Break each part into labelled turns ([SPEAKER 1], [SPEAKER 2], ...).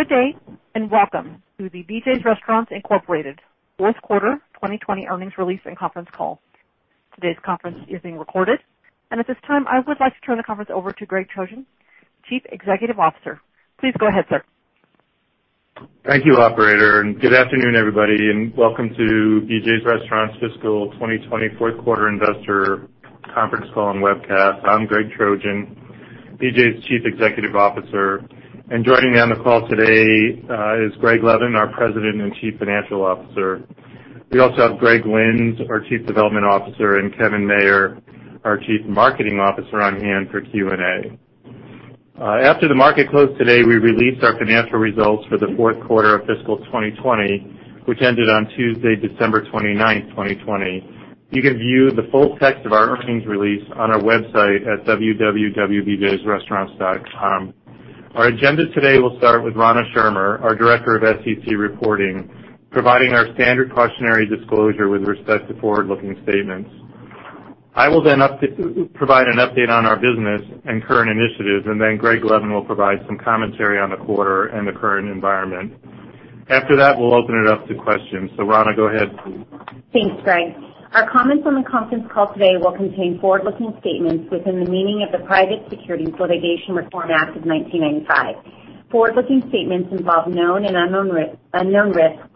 [SPEAKER 1] Welcome to the BJ's Restaurants, Inc. Fourth Quarter 2020 Earnings Release and Conference Call. Today's conference is being recorded. At this time, I would like to turn the conference over to Greg Trojan, Chief Executive Officer. Please go ahead, sir.
[SPEAKER 2] Thank you, operator. Good afternoon, everybody, welcome to BJ's Restaurants' fiscal 2020 fourth quarter investor conference call and webcast. I'm Greg Trojan, BJ's Chief Executive Officer. Joining me on the call today is Greg Levin, our President and Chief Financial Officer. We also have Greg Lynds, our Chief Development Officer, and Kevin Mayer, our Chief Marketing Officer, on hand for Q&A. After the market closed today, we released our financial results for the fourth quarter of fiscal 2020, which ended on Tuesday, December 29, 2020. You can view the full text of our earnings release on our website at www.bjsrestaurants.com. Our agenda today will start with Rana Schirmer, our Director of SEC Reporting, providing our standard cautionary disclosure with respect to forward-looking statements. I will then provide an update on our business and current initiatives. Greg Levin will provide some commentary on the quarter and the current environment. After that, we'll open it up to questions. Rana, go ahead please.
[SPEAKER 3] Thanks, Greg. Our comments on the conference call today will contain forward-looking statements within the meaning of the Private Securities Litigation Reform Act of 1995. Forward-looking statements involve known and unknown risks,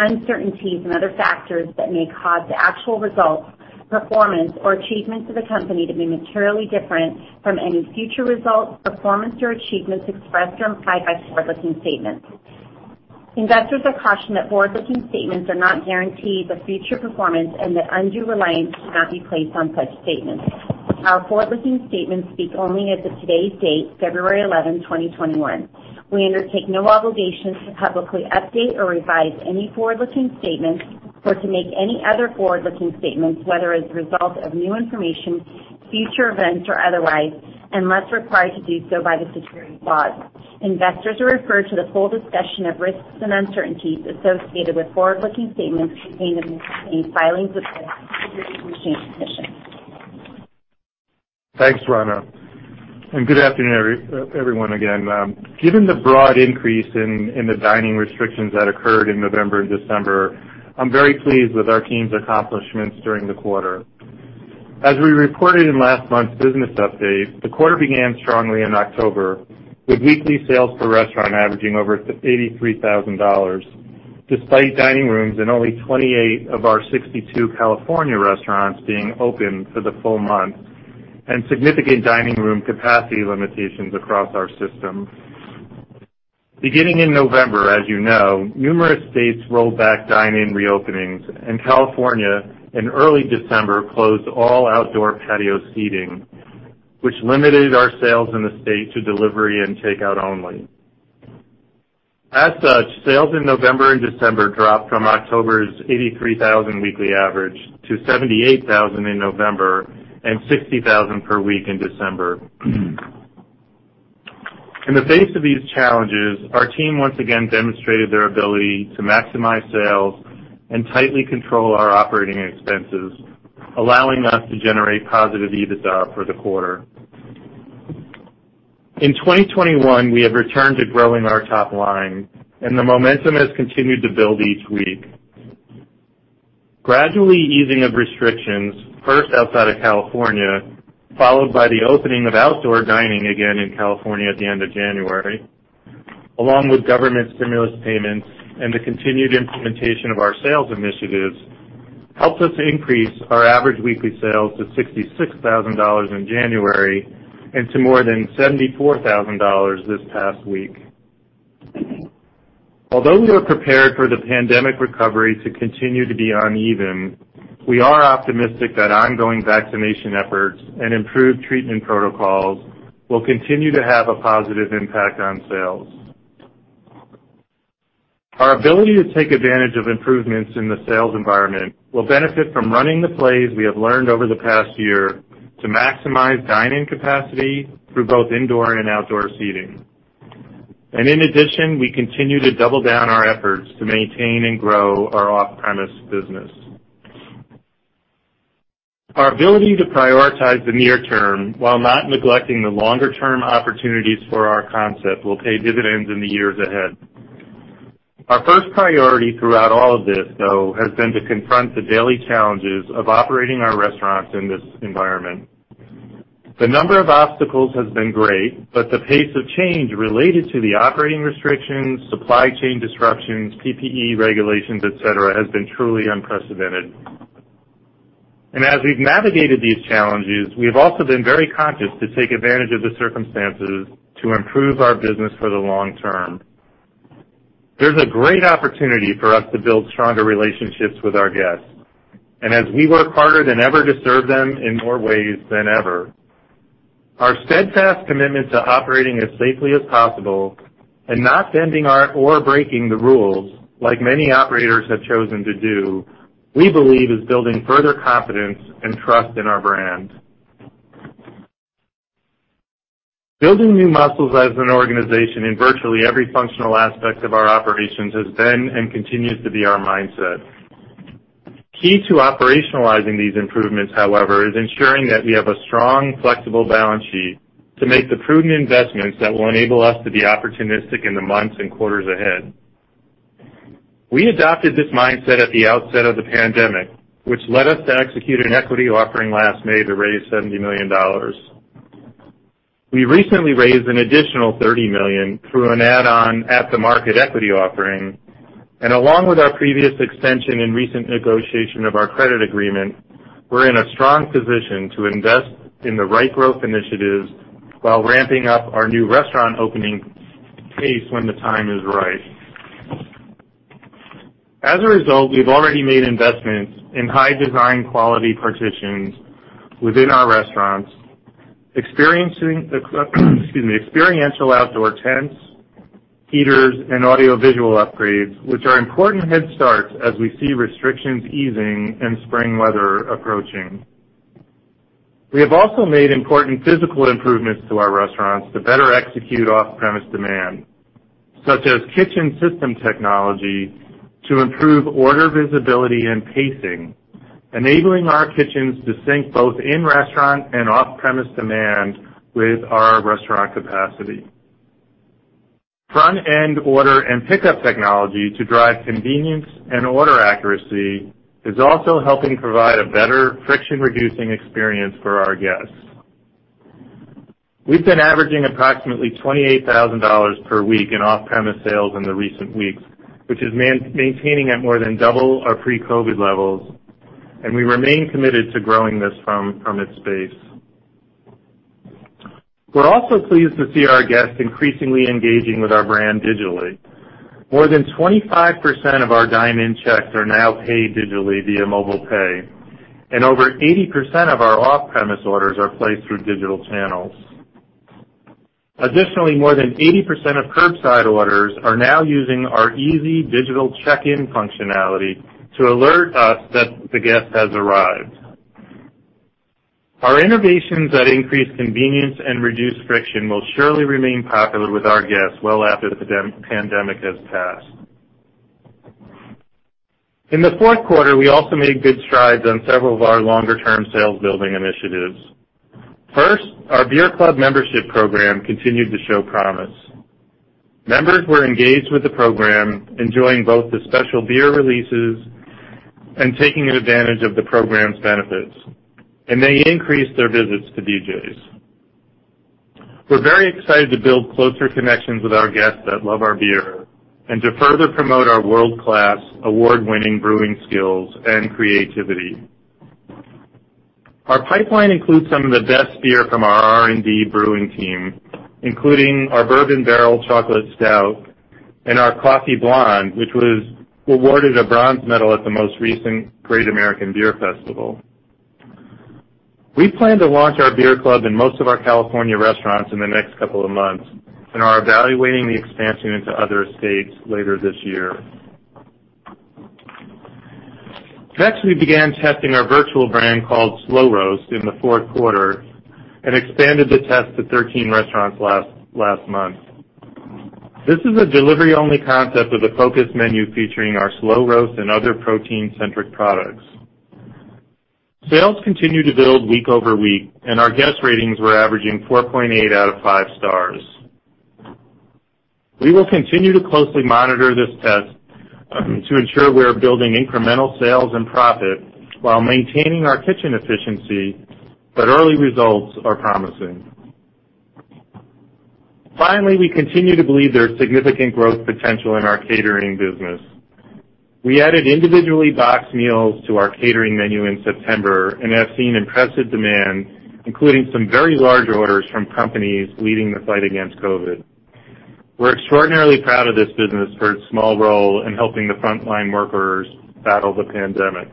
[SPEAKER 3] uncertainties, and other factors that may cause the actual results, performance, or achievements of the company to be materially different from any future results, performance, or achievements expressed or implied by forward-looking statements. Investors are cautioned that forward-looking statements are not guarantees of future performance and that undue reliance cannot be placed on such statements. Our forward-looking statements speak only as of today's date, February 11, 2021. We undertake no obligation to publicly update or revise any forward-looking statements or to make any other forward-looking statements, whether as a result of new information, future events, or otherwise, unless required to do so by the securities laws. Investors are referred to the full discussion of risks and uncertainties associated with forward-looking statements contained in the company's filings with the Securities and Exchange Commission.
[SPEAKER 2] Thanks, Rana. Good afternoon, everyone, again. Given the broad increase in the dining restrictions that occurred in November and December, I'm very pleased with our team's accomplishments during the quarter. As we reported in last month's business update, the quarter began strongly in October, with weekly sales per restaurant averaging over $83,000, despite dining rooms in only 28 of our 62 California restaurants being open for the full month, and significant dining room capacity limitations across our system. Beginning in November, as you know, numerous states rolled back dine-in reopenings, and California in early December closed all outdoor patio seating, which limited our sales in the state to delivery and takeout only. As such, sales in November and December dropped from October's $83,000 weekly average to $78,000 in November and $60,000 per week in December. In the face of these challenges, our team once again demonstrated their ability to maximize sales and tightly control our operating expenses, allowing us to generate positive EBITDA for the quarter. In 2021, we have returned to growing our top line, and the momentum has continued to build each week. Gradually easing of restrictions, first outside of California, followed by the opening of outdoor dining again in California at the end of January, along with government stimulus payments and the continued implementation of our sales initiatives, helped us increase our average weekly sales to $66,000 in January and to more than $74,000 this past week. Although we are prepared for the pandemic recovery to continue to be uneven, we are optimistic that ongoing vaccination efforts and improved treatment protocols will continue to have a positive impact on sales. Our ability to take advantage of improvements in the sales environment will benefit from running the plays we have learned over the past year to maximize dine-in capacity through both indoor and outdoor seating. In addition, we continue to double down our efforts to maintain and grow our off-premise business. Our ability to prioritize the near-term while not neglecting the longer-term opportunities for our concept will pay dividends in the years ahead. Our first priority throughout all of this, though, has been to confront the daily challenges of operating our restaurants in this environment. The number of obstacles has been great, the pace of change related to the operating restrictions, supply chain disruptions, PPE regulations, et cetera, has been truly unprecedented. As we've navigated these challenges, we've also been very conscious to take advantage of the circumstances to improve our business for the long-term. There's a great opportunity for us to build stronger relationships with our guests, and as we work harder than ever to serve them in more ways than ever. Our steadfast commitment to operating as safely as possible and not bending or breaking the rules like many operators have chosen to do, we believe is building further confidence and trust in our brand. Building new muscles as an organization in virtually every functional aspect of our operations has been and continues to be our mindset. Key to operationalizing these improvements, however, is ensuring that we have a strong, flexible balance sheet to make the prudent investments that will enable us to be opportunistic in the months and quarters ahead. We adopted this mindset at the outset of the pandemic, which led us to execute an equity offering last May to raise $70 million. We recently raised an additional $30 million through an add-on at-the-market equity offering. Along with our previous extension and recent negotiation of our credit agreement, we're in a strong position to invest in the right growth initiatives while ramping up our new restaurant opening pace when the time is right. As a result, we've already made investments in high design quality partitions within our restaurants, experiential outdoor tents, heaters, and audiovisual upgrades, which are important head starts as we see restrictions easing and spring weather approaching. We have also made important physical improvements to our restaurants to better execute off-premise demand, such as kitchen system technology to improve order visibility and pacing, enabling our kitchens to sync both in-restaurant and off-premise demand with our restaurant capacity. Front-end order and pickup technology to drive convenience and order accuracy is also helping provide a better friction-reducing experience for our guests. We've been averaging approximately $28,000 per week in off-premise sales in the recent weeks, which is maintaining at more than double our pre-COVID levels, and we remain committed to growing this from its base. We're also pleased to see our guests increasingly engaging with our brand digitally. More than 25% of our dine-in checks are now paid digitally via mobile pay, and over 80% of our off-premise orders are placed through digital channels. Additionally, more than 80% of curbside orders are now using our easy digital check-in functionality to alert us that the guest has arrived. Our innovations that increase convenience and reduce friction will surely remain popular with our guests well after the pandemic has passed. In the fourth quarter, we also made good strides on several of our longer-term sales-building initiatives. First, our beer club membership program continued to show promise. Members were engaged with the program, enjoying both the special beer releases and taking advantage of the program's benefits, and they increased their visits to BJ's. We're very excited to build closer connections with our guests that love our beer and to further promote our world-class, award-winning brewing skills and creativity. Our pipeline includes some of the best beer from our R&D brewing team, including our Bourbon Barrel Chocolate Stout and our Coffee Blonde, which was awarded a bronze medal at the most recent Great American Beer Festival. We plan to launch our beer club in most of our California restaurants in the next couple of months and are evaluating the expansion into other states later this year. Next, we began testing our virtual brand called Slo Roast in the fourth quarter and expanded the test to 13 restaurants last month. This is a delivery-only concept with a focused menu featuring our Slo Roast and other protein-centric products. Sales continue to build week over week, and our guest ratings were averaging 4.8 out of five stars. We will continue to closely monitor this test to ensure we are building incremental sales and profit while maintaining our kitchen efficiency, but early results are promising. Finally, we continue to believe there is significant growth potential in our catering business. We added individually boxed meals to our catering menu in September and have seen impressive demand, including some very large orders from companies leading the fight against COVID. We're extraordinarily proud of this business for its small role in helping the frontline workers battle the pandemic.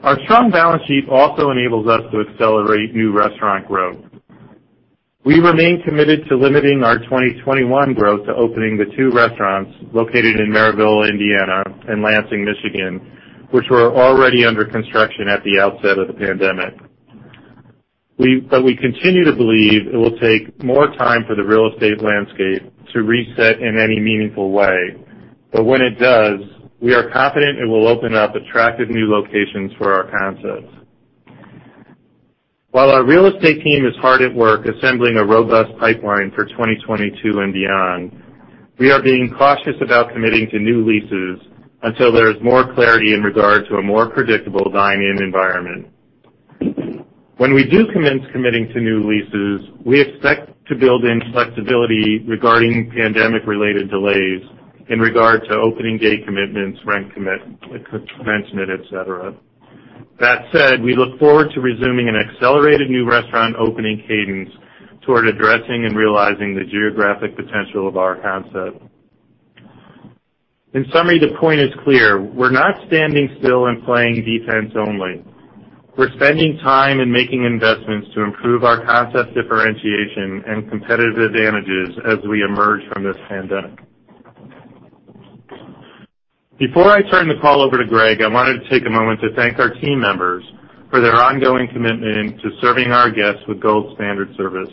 [SPEAKER 2] Our strong balance sheet also enables us to accelerate new restaurant growth. We remain committed to limiting our 2021 growth to opening the two restaurants located in Merrillville, Indiana, and Lansing, Michigan, which were already under construction at the outset of the pandemic. We continue to believe it will take more time for the real estate landscape to reset in any meaningful way. When it does, we are confident it will open up attractive new locations for our concepts. While our real estate team is hard at work assembling a robust pipeline for 2022 and beyond, we are being cautious about committing to new leases until there is more clarity in regard to a more predictable dine-in environment. We do commence committing to new leases, we expect to build in flexibility regarding pandemic-related delays in regard to opening day commitments, rent commencement, et cetera. That said, we look forward to resuming an accelerated new restaurant opening cadence toward addressing and realizing the geographic potential of our concept. In summary, the point is clear. We're not standing still and playing defense only. We're spending time and making investments to improve our concept differentiation and competitive advantages as we emerge from this pandemic. Before I turn the call over to Greg, I wanted to take a moment to thank our team members for their ongoing commitment to serving our guests with gold standard service.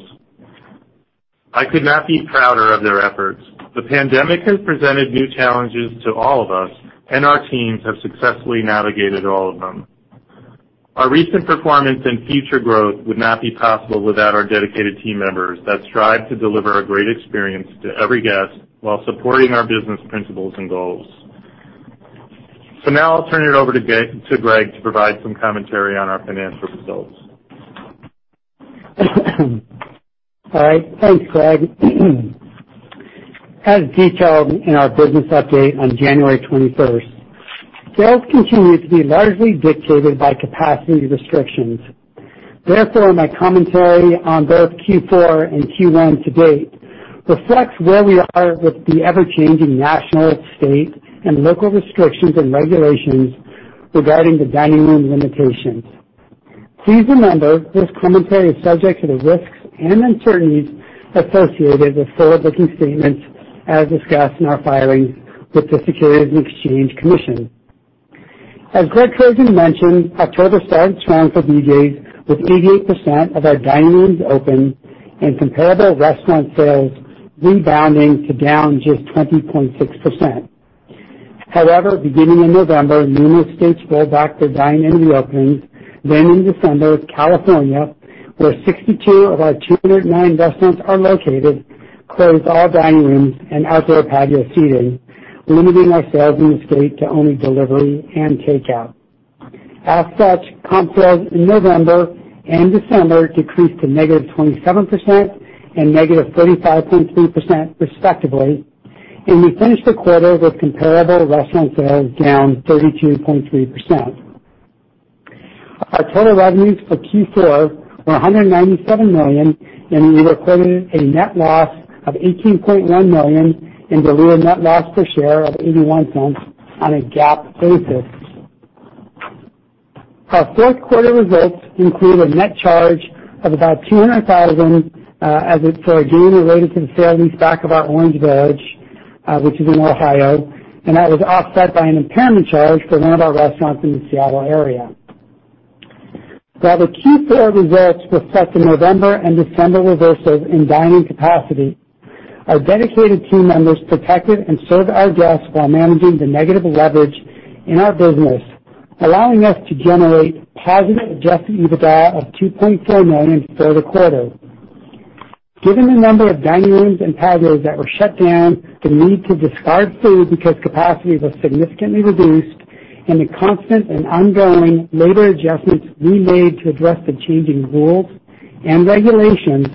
[SPEAKER 2] I could not be prouder of their efforts. The pandemic has presented new challenges to all of us, and our teams have successfully navigated all of them. Our recent performance and future growth would not be possible without our dedicated team members that strive to deliver a great experience to every guest while supporting our business principles and goals. Now I'll turn it over to Greg to provide some commentary on our financial results.
[SPEAKER 4] All right. Thanks, Greg. As detailed in our business update on January 21, sales continue to be largely dictated by capacity restrictions. My commentary on both Q4 and Q1 to date reflects where we are with the ever-changing national, state, and local restrictions and regulations regarding the dining room limitations. Please remember, this commentary is subject to the risks and uncertainties associated with forward-looking statements as discussed in our filings with the Securities and Exchange Commission. As Gregory Trojan mentioned, October started strong for BJ's, with 88% of our dining rooms open and comparable restaurant sales rebounding to down just 20.6%. Beginning in November, numerous states rolled back their dine-in reopenings. In December, California, where 62 of our 209 restaurants are located, closed all dining rooms and outdoor patio seating, limiting our sales in the state to only delivery and takeout. Comp sales in November and December decreased to -27% and -35.3% respectively. We finished the quarter with comparable restaurant sales down 32.3%. Our total revenues for Q4 were $197 million. We recorded a net loss of $18.1 million and diluted net loss per share of $0.81 on a GAAP basis. Our fourth quarter results include a net charge of about $200,000 asset for a gain related to the sale and lease back of our Orange Village, which is in Ohio. That was offset by an impairment charge for one of our restaurants in the Seattle area. While the Q4 results reflect the November and December reversals in dining capacity, our dedicated team members protected and served our guests while managing the negative leverage in our business, allowing us to generate positive adjusted EBITDA of $2.4 million for the quarter. Given the number of dining rooms and patios that were shut down, the need to discard food because capacity was significantly reduced, and the constant and ongoing labor adjustments we made to address the changing rules and regulations,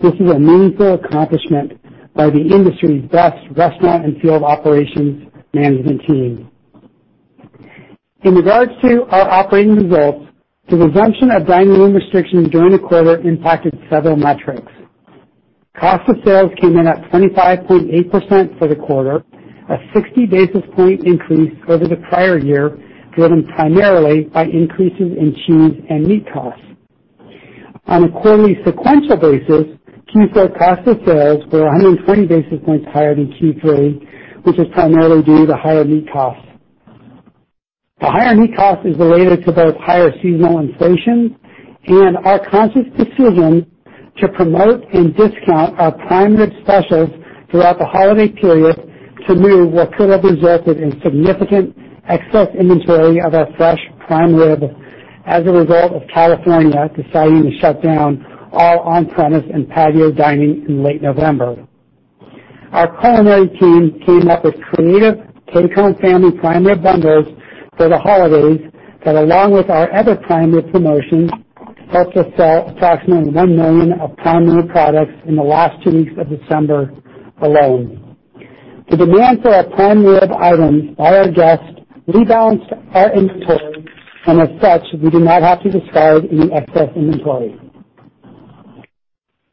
[SPEAKER 4] this is a meaningful accomplishment by the industry's best restaurant and field operations management team. In regards to our operating results, the resumption of dining room restrictions during the quarter impacted several metrics. Cost of sales came in at 25.8% for the quarter, a 60 basis point increase over the prior year, driven primarily by increases in cheese and meat costs. On a quarterly sequential basis, Q4 cost of sales were 120 basis points higher than Q3, which is primarily due to higher meat costs. The higher meat cost is related to both higher seasonal inflation and our conscious decision to promote and discount our prime rib specials throughout the holiday period to move what could have resulted in significant excess inventory of our fresh prime rib as a result of California deciding to shut down all on-premise and patio dining in late November. Our culinary team came up with creative take-home family prime rib bundles for the holidays that, along with our other prime rib promotions, helped us sell approximately $1 million of prime rib products in the last two weeks of December alone. The demand for our prime rib items by our guests rebalanced our inventory, and as such, we did not have to discard any excess inventory.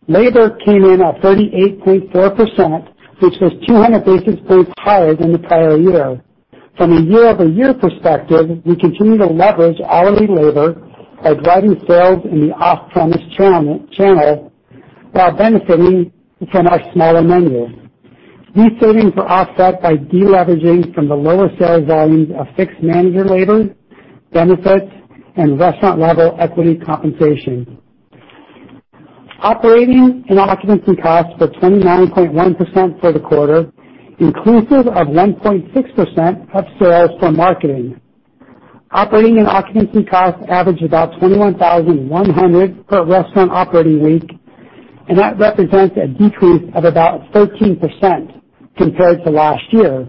[SPEAKER 4] Labor came in at 38.4%, which was 200 basis points higher than the prior year. From a year-over-year perspective, we continue to leverage hourly labor by driving sales in the off-premise channel while benefiting from our smaller menus. These savings were offset by de-leveraging from the lower sales volumes of fixed manager labor, benefits, and restaurant-level equity compensation. Operating and occupancy costs were 29.1% for the quarter, inclusive of 1.6% of sales for marketing. Operating and occupancy costs average about $21,100 per restaurant operating week, and that represents a decrease of about 13% compared to last year.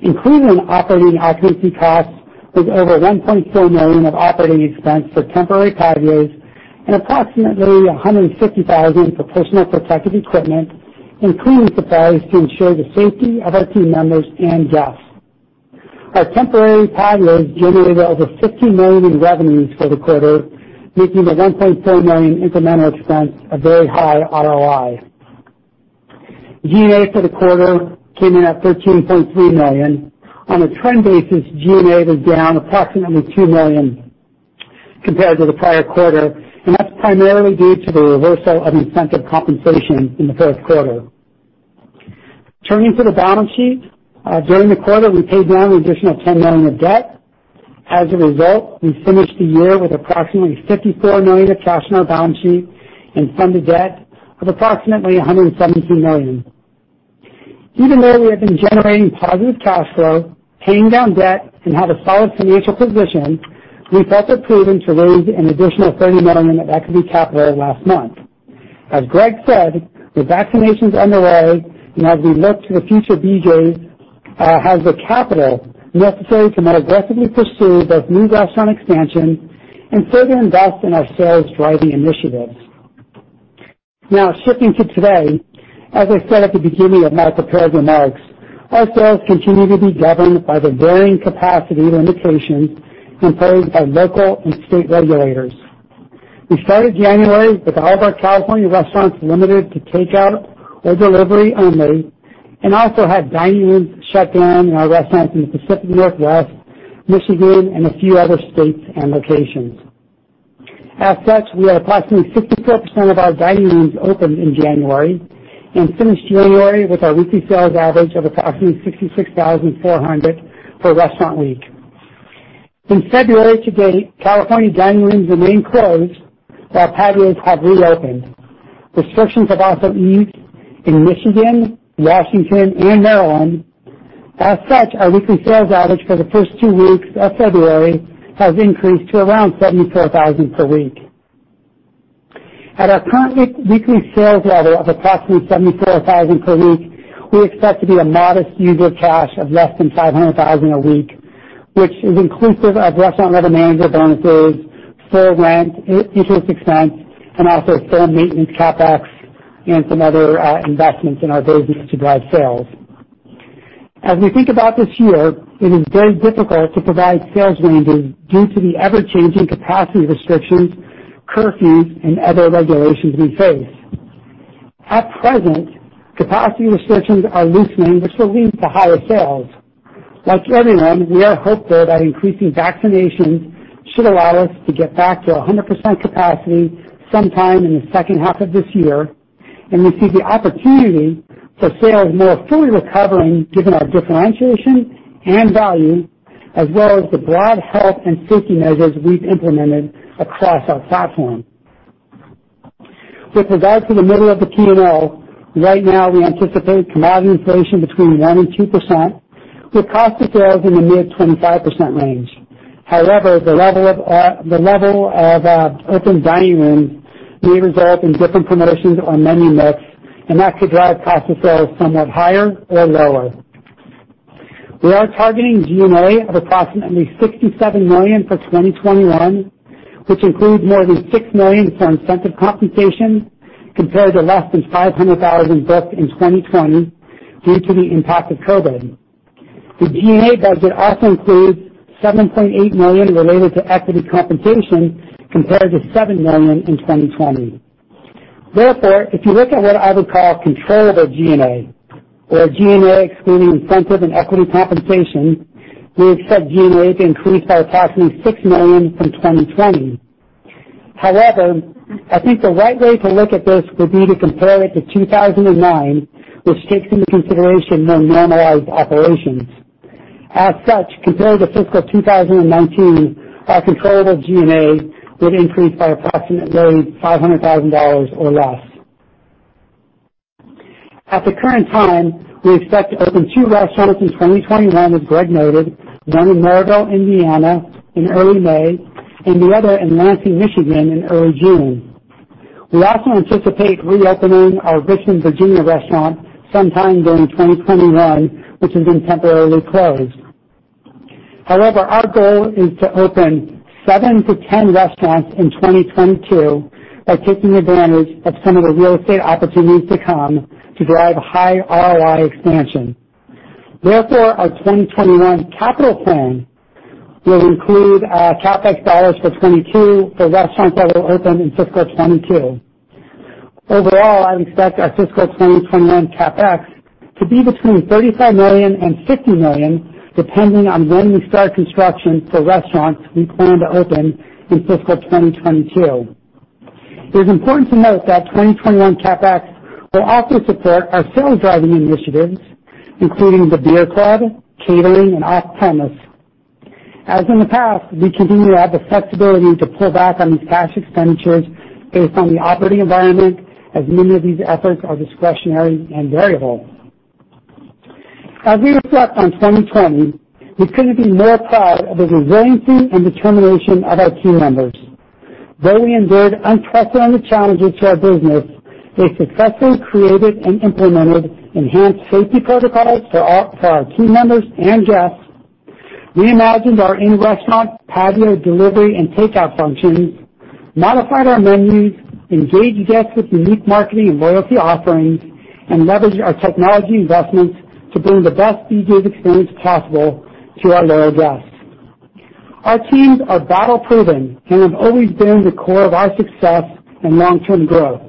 [SPEAKER 4] Included in operating occupancy costs was over $1.4 million of operating expense for temporary patios and approximately $150,000 for personal protective equipment and cleaning supplies to ensure the safety of our team members and guests. Our temporary patios generated over $16 million in revenues for the quarter, making the $1.4 million incremental expense a very high ROI. G&A for the quarter came in at $13.3 million. On a trend basis, G&A was down approximately $2 million compared to the prior quarter, and that's primarily due to the reversal of incentive compensation in the first quarter. Turning to the balance sheet. During the quarter, we paid down an additional $10 million of debt. As a result, we finished the year with approximately $54 million of cash on our balance sheet and funded debt of approximately $172 million. Even though we have been generating positive cash flow, paying down debt, and have a solid financial position, we felt it prudent to raise an additional $30 million of equity capital last month. As Greg said, with vaccinations underway, and as we look to the future, BJ's has the capital necessary to more aggressively pursue both new restaurant expansion and further invest in our sales-driving initiatives. Now, shifting to today, as I said at the beginning of my prepared remarks, our sales continue to be governed by the varying capacity limitations imposed by local and state regulators. We started January with all of our California restaurants limited to takeout or delivery only. Also had dining rooms shut down in our restaurants in the Pacific Northwest, Michigan, and a few other states and locations. As such, we had approximately 64% of our dining rooms open in January and finished January with our weekly sales average of approximately $66,400 per restaurant week. In February to date, California dining rooms remain closed, while patios have reopened. Restrictions have also eased in Michigan, Washington, and Maryland. As such, our weekly sales average for the first two weeks of February has increased to around $74,000 per week. At our current weekly sales level of approximately $74,000 per week, we expect to be a modest user of cash of less than $500,000 a week, which is inclusive of restaurant level manager bonuses, full rent, interest expense, and also full maintenance CapEx and some other investments in our business to drive sales. As we think about this year, it is very difficult to provide sales ranges due to the ever-changing capacity restrictions, curfews, and other regulations we face. At present, capacity restrictions are loosening, which will lead to higher sales. Like everyone, we are hopeful that increasing vaccinations should allow us to get back to 100% capacity sometime in the second half of this year, and we see the opportunity for sales more fully recovering given our differentiation and value, as well as the broad health and safety measures we've implemented across our platform. With regard to the middle of the P&L, right now, we anticipate commodity inflation between 1% and 2%, with cost of sales in the mid-25% range. However, the level of open dining rooms may result in different promotions or menu mix, and that could drive cost of sales somewhat higher or lower. We are targeting G&A of approximately $67 million for 2021, which includes more than $6 million for incentive compensation compared to less than $500,000 in 2020 due to the impact of COVID. The G&A budget also includes $7.8 million related to equity compensation compared to $7 million in 2020. Therefore, if you look at what I would call controllable G&A or G&A excluding incentive and equity compensation, we expect G&A to increase by approximately $6 million from 2020. I think the right way to look at this would be to compare it to 2019, which takes into consideration more normalized operations. As such, compared to fiscal 2019, our controllable G&A would increase by approximately $500,000 or less. At the current time, we expect to open two restaurants in 2021, as Greg noted, one in Merrillville, Indiana, in early May and the other in Lansing, Michigan, in early June. We also anticipate reopening our Richmond, Virginia restaurant sometime during 2021, which has been temporarily closed. Our goal is to open 7-10 restaurants in 2022 by taking advantage of some of the real estate opportunities to come to drive high ROI expansion. Our 2021 capital plan will include our CapEx dollars for 2022 for restaurants that will open in fiscal 2022. Overall, I expect our fiscal 2021 CapEx to be between $35 million and $50 million, depending on when we start construction for restaurants we plan to open in fiscal 2022. It is important to note that 2021 CapEx will also support our sales-driving initiatives, including the beer club, catering, and off-premise. As in the past, we continue to have the flexibility to pull back on these cash expenditures based on the operating environment as many of these efforts are discretionary and variable. As we reflect on 2020, we couldn't be more proud of the resiliency and determination of our team members. Though we endured unprecedented challenges to our business, they successfully created and implemented enhanced safety protocols for our team members and guests, reimagined our in-restaurant patio delivery and takeout functions, modified our menus, engaged guests with unique marketing and loyalty offerings, and leveraged our technology investments to bring the best BJ's experience possible to our loyal guests. Our teams are battle-proven and have always been the core of our success and long-term growth.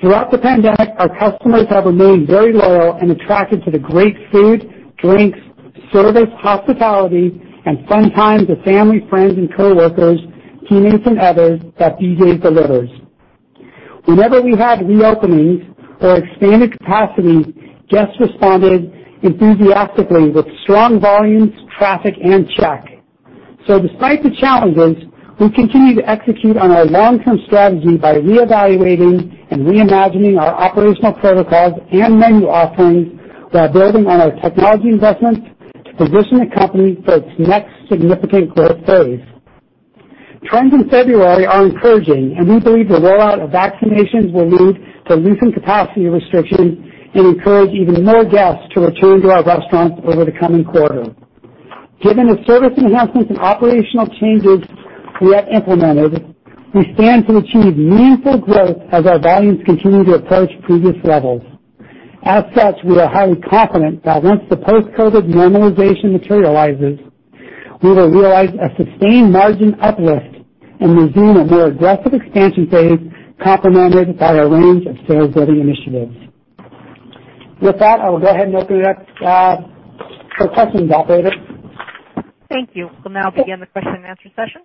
[SPEAKER 4] Throughout the pandemic, our customers have remained very loyal and attracted to the great food, drinks, service, hospitality, and fun times with family, friends, and coworkers, teammates, and others that BJ's delivers. Whenever we had reopenings or expanded capacity, guests responded enthusiastically with strong volumes, traffic, and check. Despite the challenges, we continue to execute on our long-term strategy by reevaluating and reimagining our operational protocols and menu offerings while building on our technology investments to position the company for its next significant growth phase. Trends in February are encouraging, and we believe the rollout of vaccinations will lead to loosened capacity restrictions and encourage even more guests to return to our restaurants over the coming quarter. Given the service enhancements and operational changes we have implemented, we stand to achieve meaningful growth as our volumes continue to approach previous levels. We are highly confident that once the post-COVID normalization materializes, we will realize a sustained margin uplift and resume a more aggressive expansion phase complemented by our range of share-building initiatives. With that, I will go ahead and open it up for questions, operator.
[SPEAKER 1] Thank you. We'll now begin the question and answer session.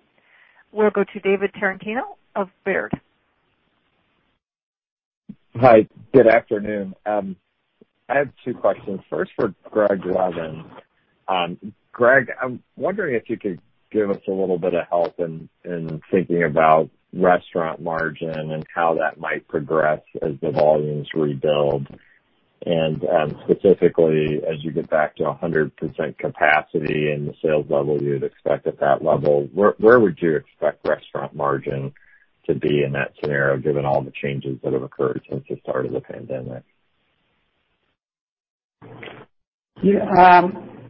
[SPEAKER 1] We'll go to David Tarantino of Baird.
[SPEAKER 5] Hi, good afternoon. I have two questions. First for Greg Levin. Greg, I'm wondering if you could give us a little bit of help in thinking about restaurant margin and how that might progress as the volumes rebuild, and specifically as you get back to 100% capacity and the sales level you'd expect at that level. Where would you expect restaurant margin to be in that scenario, given all the changes that have occurred since the start of the pandemic?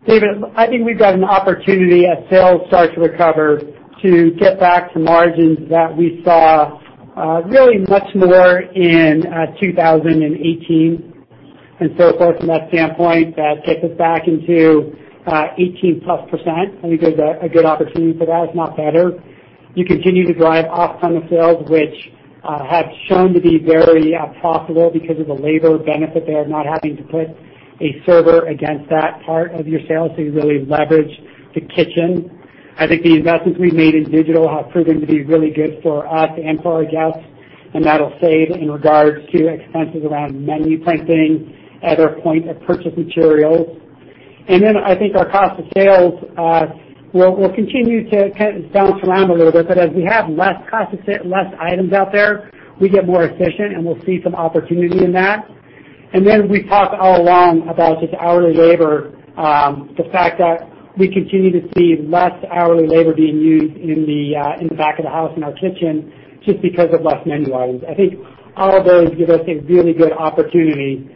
[SPEAKER 4] David, I think we've got an opportunity as sales start to recover to get back to margins that we saw really much more in 2018 and so forth from that standpoint. That takes us back into 18+%. I think there's a good opportunity for that, if not better. You continue to drive off-premise sales, which have shown to be very profitable because of the labor benefit there, not having to put a server against that part of your sales, so you really leverage the kitchen. I think the investments we've made in digital have proven to be really good for us and for our guests. That'll save in regards to expenses around menu printing, other point-of-purchase materials. I think our cost of sales will continue to bounce around a little bit, but as we have less items out there, we get more efficient, and we'll see some opportunity in that. We've talked all along about just hourly labor, the fact that we continue to see less hourly labor being used in the back of the house, in our kitchen, just because of less menu items. I think all of those give us a really good opportunity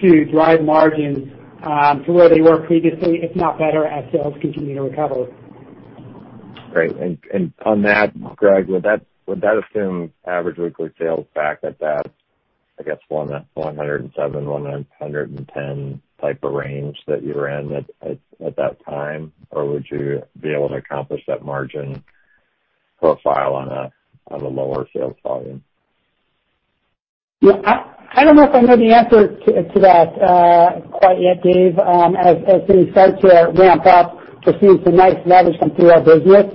[SPEAKER 4] to drive margins to where they were previously, if not better, as sales continue to recover.
[SPEAKER 5] Great. On that, Greg, would that assume average weekly sales back at that $107, $110 type of range that you were in at that time, or would you be able to accomplish that margin profile on a lower sales volume?
[SPEAKER 4] I don't know if I know the answer to that quite yet, Dave. As we start to ramp up, just seeing some nice leverage come through our business,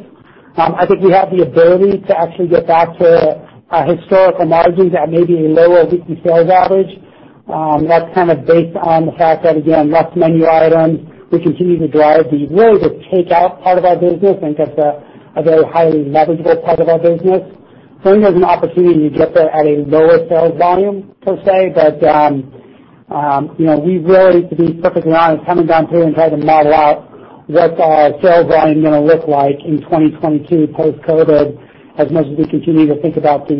[SPEAKER 4] I think we have the ability to actually get back to our historical margins at maybe a lower weekly sales average. That's kind of based on the fact that, again, less menu items. We continue to drive the takeout part of our business. I think that's a very highly leverageable part of our business. I think there's an opportunity to get there at a lower sales volume, per se. We really, to be perfectly honest, haven't gone through and tried to model out what our sales volume is going to look like in 2022 post-COVID, as much as we continue to think about the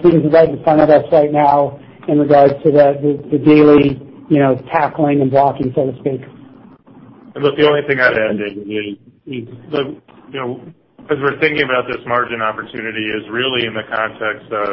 [SPEAKER 4] things right in front of us right now in regards to the daily tackling and blocking, so to speak.
[SPEAKER 2] The only thing I'd add in is as we're thinking about this margin opportunity is really in the context of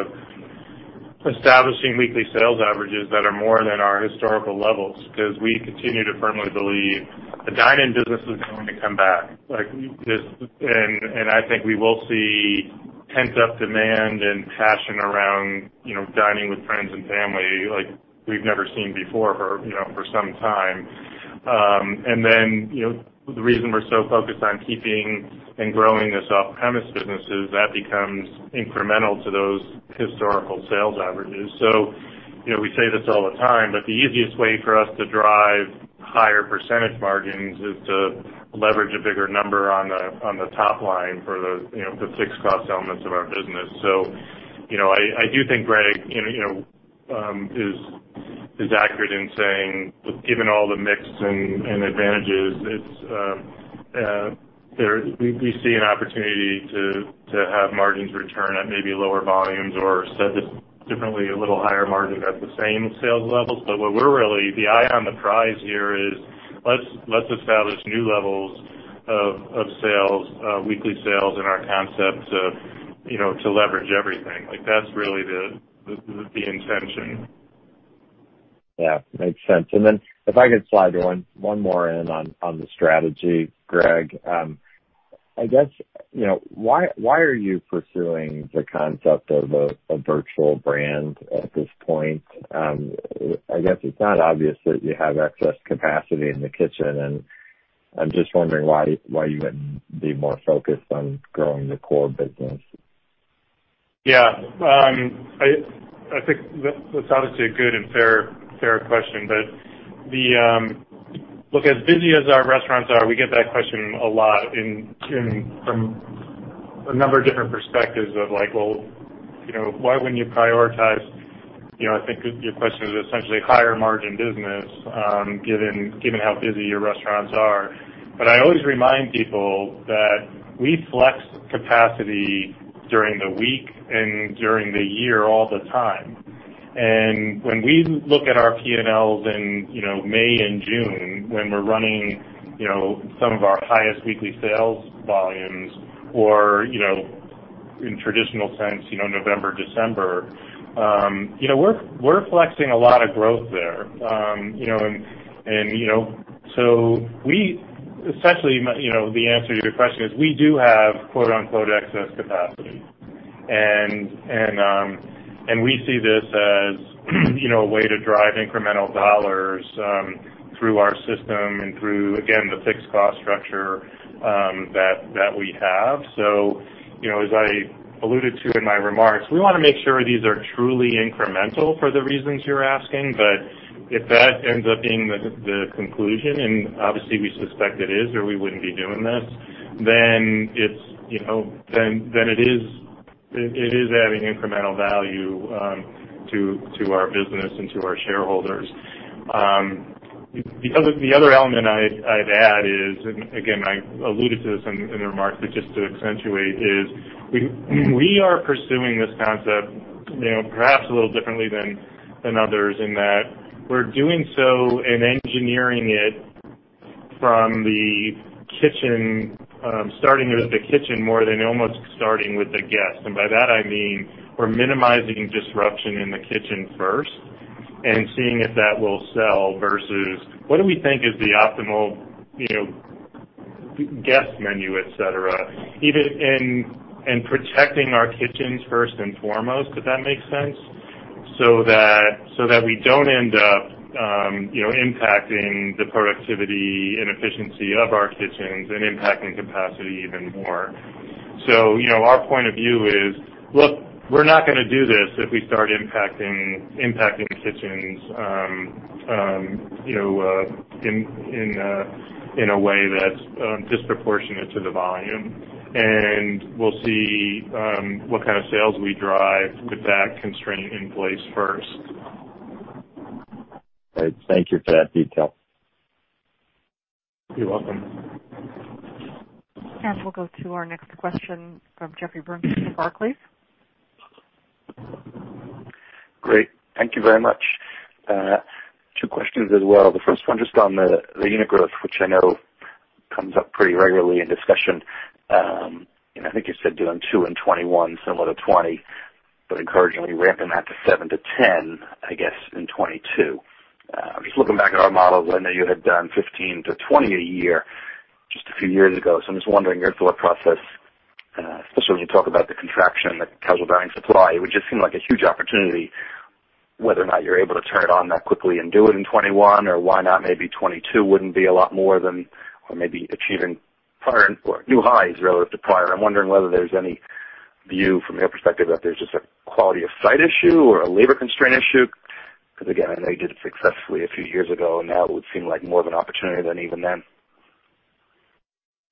[SPEAKER 2] establishing weekly sales averages that are more than our historical levels because we continue to firmly believe the dine-in business is going to come back. I think we will see pent-up demand and passion around dining with friends and family like we've never seen before for some time. The reason we're so focused on keeping and growing this off-premise business is that becomes incremental to those historical sales averages. We say this all the time, but the easiest way for us to drive higher percentage margins is to leverage a bigger number on the top line for the fixed cost elements of our business. I do think Greg is accurate in saying, given all the mix and advantages, we see an opportunity to have margins return at maybe lower volumes or, said differently, a little higher margin at the same sales levels. The eye on the prize here is let's establish new levels of weekly sales in our concepts to leverage everything. That's really the intention.
[SPEAKER 5] Yeah, makes sense. If I could slide one more in on the strategy, Greg, why are you pursuing the concept of a virtual brand at this point? I guess it's not obvious that you have excess capacity in the kitchen and I'm just wondering why you wouldn't be more focused on growing the core business.
[SPEAKER 2] Yeah. I think that's obviously a good and fair question, look, as busy as our restaurants are, we get that question a lot from a number of different perspectives of, "Well, why wouldn't you prioritize," I think your question is essentially, "higher margin business given how busy your restaurants are?" I always remind people that we flex capacity during the week and during the year all the time. When we look at our P&Ls in May and June, when we're running some of our highest weekly sales volumes or in traditional sense, November, December, we're flexing a lot of growth there. Essentially, the answer to your question is we do have "excess capacity," and we see this as a way to drive incremental dollars through our system and through, again, the fixed cost structure that we have. As I alluded to in my remarks, we want to make sure these are truly incremental for the reasons you're asking. If that ends up being the conclusion, and obviously we suspect it is, or we wouldn't be doing this, then it is adding incremental value to our business and to our shareholders. The other element I'd add is, and again, I alluded to this in the remarks, but just to accentuate is we are pursuing this concept perhaps a little differently than others in that we're doing so and engineering it from the kitchen, starting with the kitchen more than almost starting with the guest. By that I mean we're minimizing disruption in the kitchen first and seeing if that will sell versus what do we think is the optimal guest menu, et cetera. Even in protecting our kitchens first and foremost, if that makes sense, so that we don't end up impacting the productivity and efficiency of our kitchens and impacting capacity even more. Our point of view is, look, we're not going to do this if we start impacting kitchens in a way that's disproportionate to the volume. We'll see what kind of sales we drive with that constraint in place first.
[SPEAKER 5] Great. Thank you for that detail.
[SPEAKER 2] You're welcome.
[SPEAKER 1] We'll go to our next question from Jeffrey Bernstein from Barclays.
[SPEAKER 6] Great. Thank you very much. Two questions as well. The first one, just on the unit growth, which I know comes up pretty regularly in discussion. I think you said doing two in 2021, similar to 2020, but encouragingly ramping that to 7-10, I guess, in 2022. Just looking back at our models, I know you had done 15-20 a year just a few years ago, so I'm just wondering your thought process, especially as you talk about the contraction that casual dining supply, it would just seem like a huge opportunity, whether or not you're able to turn it on that quickly and do it in 2021, or why not maybe 2022 wouldn't be a lot more than maybe achieving new highs relative to prior. I'm wondering whether there's any view from your perspective that there's just a quality of site issue or a labor constraint issue, because again, I know you did it successfully a few years ago, and now it would seem like more of an opportunity than even then.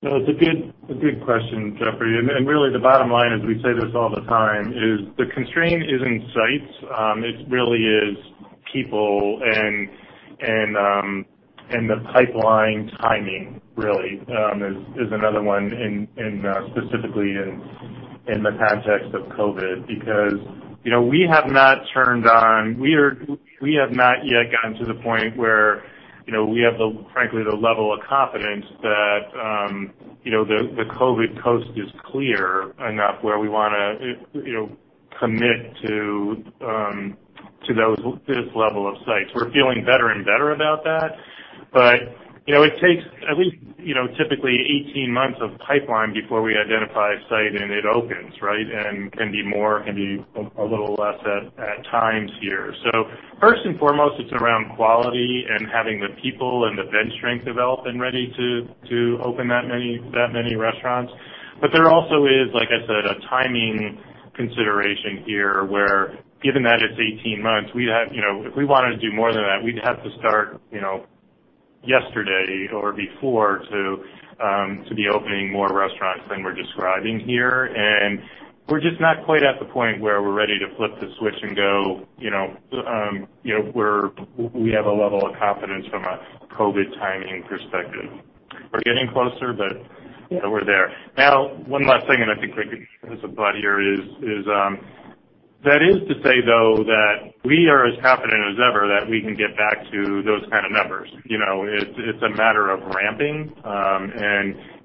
[SPEAKER 2] No, it's a good question, Jeffrey. Really the bottom line is, we say this all the time, is the constraint is in sites. It really is people and the pipeline timing really is another one, specifically in the context of COVID, because we have not yet gotten to the point where we have, frankly, the level of confidence that the COVID coast is clear enough where we want to commit to this level of sites. We're feeling better and better about that, but it takes at least typically 18 months of pipeline before we identify a site and it opens. Can be more, can be a little less at times here. So first and foremost, it's around quality and having the people and the bench strength developed and ready to open that many restaurants. There also is, like I said, a timing consideration here where given that it's 18 months, if we wanted to do more than that, we'd have to start yesterday or before to be opening more restaurants than we're describing here. We're just not quite at the point where we're ready to flip the switch and go, we have a level of confidence from a COVID timing perspective. We're getting closer, but we're there. Now, one last thing, and I think I could close the loop here is, that is to say, though, that we are as confident as ever that we can get back to those kind of numbers. It's a matter of ramping.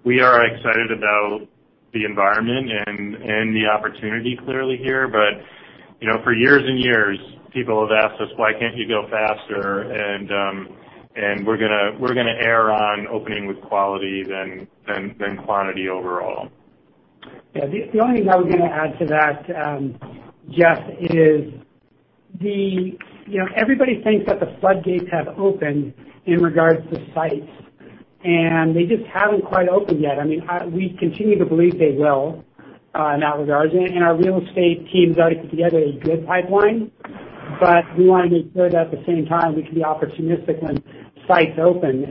[SPEAKER 2] We are excited about the environment and the opportunity clearly here. For years and years, people have asked us, "Why can't you go faster?" We're going to err on opening with quality than quantity overall.
[SPEAKER 4] Yeah. The only thing I was going to add to that, Jeff, is everybody thinks that the floodgates have opened in regards to sites, they just haven't quite opened yet. We continue to believe they will in that regard, our real estate team's already put together a good pipeline, we want to make sure that at the same time, we can be opportunistic when sites open.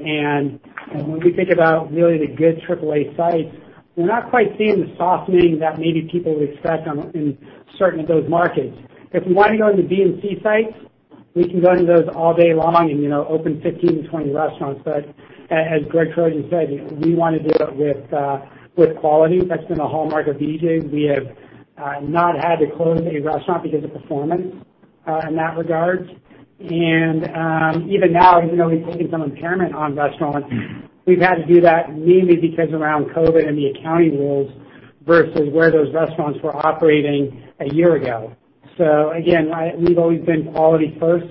[SPEAKER 4] When we think about really the good AAA sites, we're not quite seeing the softening that maybe people expect in certain of those markets. If we want to go into B and C sites, we can go into those all day long and open 15-20 restaurants. As Greg Trojan said, we want to do it with quality. That's been a hallmark of BJ's. We have not had to close a restaurant because of performance in that regard. Even now, even though we've taken some impairment on restaurants, we've had to do that mainly because around COVID and the accounting rules versus where those restaurants were operating a year ago. Again, we've always been quality first,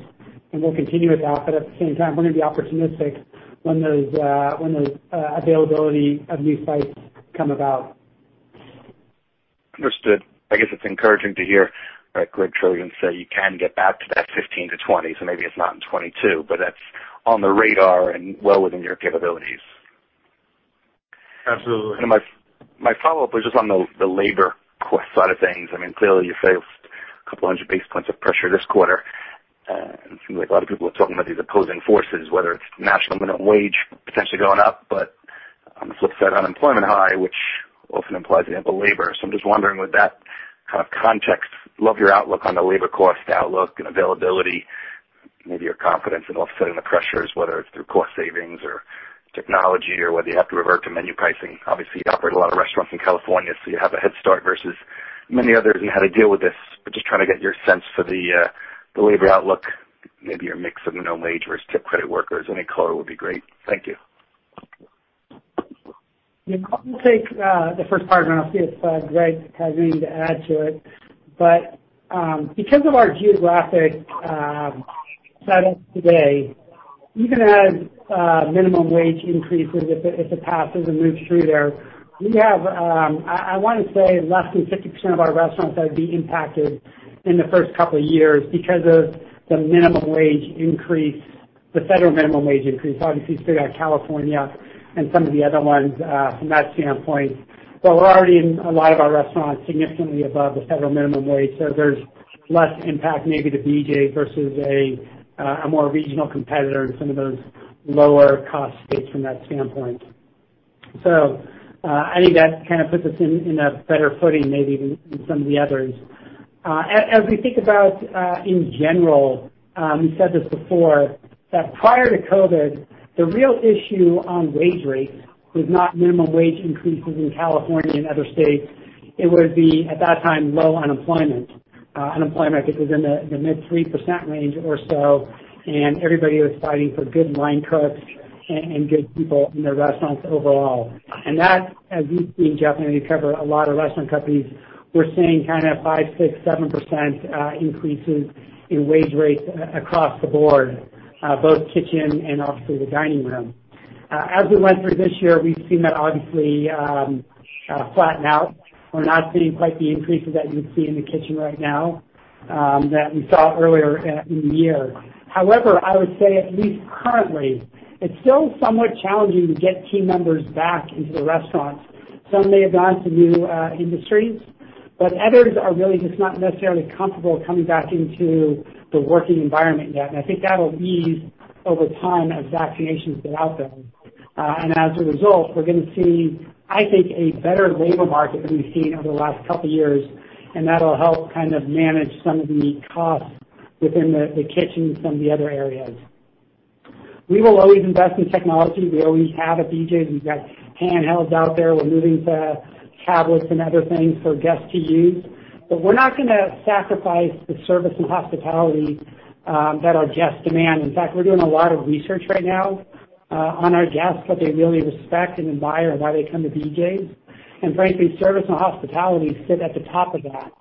[SPEAKER 4] and we'll continue with that. At the same time, we're going to be opportunistic when those availability of new sites come about.
[SPEAKER 6] Understood. I guess it's encouraging to hear Greg Trojan say you can get back to that 15-20. Maybe it's not in 2022, but that's on the radar and well within your capabilities.
[SPEAKER 2] Absolutely.
[SPEAKER 6] My follow-up was just on the labor cost side of things. Clearly you faced a couple hundred basis points of pressure this quarter. It seems like a lot of people are talking about these opposing forces, whether it's national minimum wage potentially going up. On the flip side, unemployment high, which often implies ample labor. I'm just wondering, with that kind of context, love your outlook on the labor cost outlook and availability, maybe your confidence in offsetting the pressures, whether it's through cost savings or technology, or whether you have to revert to menu pricing. Obviously, you operate a lot of restaurants in California. You have a head start versus many others in how to deal with this. Just trying to get your sense for the labor outlook, maybe your mix of no-wage versus tip credit workers, any color would be great. Thank you.
[SPEAKER 4] I'll take the first part, then I'll see if Greg has anything to add to it. Because of our geographic setup today, even as minimum wage increases, if it passes and moves through there, I want to say less than 50% of our restaurants would be impacted in the first couple of years because of the minimum wage increase, the federal minimum wage increase, obviously, if you figure out California and some of the other ones from that standpoint. We're already in a lot of our restaurants significantly above the federal minimum wage. There's less impact maybe to BJ's versus a more regional competitor in some of those lower cost states from that standpoint. I think that kind of puts us in a better footing maybe than some of the others. As we think about in general, we said this before, that prior to COVID, the real issue on wage rate was not minimum wage increases in California and other states. It would be, at that time, low unemployment. Unemployment, I think, was in the mid 3% range or so, and everybody was fighting for good line cooks and good people in their restaurants overall. That, as we've seen, Jeff, I know you cover a lot of restaurant companies, we're seeing kind of 5%, 6%, 7% increases in wage rates across the board, both kitchen and obviously the dining room. As we went through this year, we've seen that obviously flatten out. We're not seeing quite the increases that you'd see in the kitchen right now that we saw earlier in the year. However, I would say at least currently, it's still somewhat challenging to get team members back into the restaurants. Some may have gone to new industries, but others are really just not necessarily comfortable coming back into the working environment yet. I think that'll ease over time as vaccinations get out there. As a result, we're going to see, I think, a better labor market than we've seen over the last couple of years, and that'll help manage some of the costs within the kitchen and some of the other areas. We will always invest in technology. We always have at BJ's. We've got handhelds out there. We're moving to tablets and other things for guests to use. We're not going to sacrifice the service and hospitality that our guests demand. In fact, we're doing a lot of research right now on our guests, what they really respect and admire and why they come to BJ's. Frankly, service and hospitality sit at the top of that.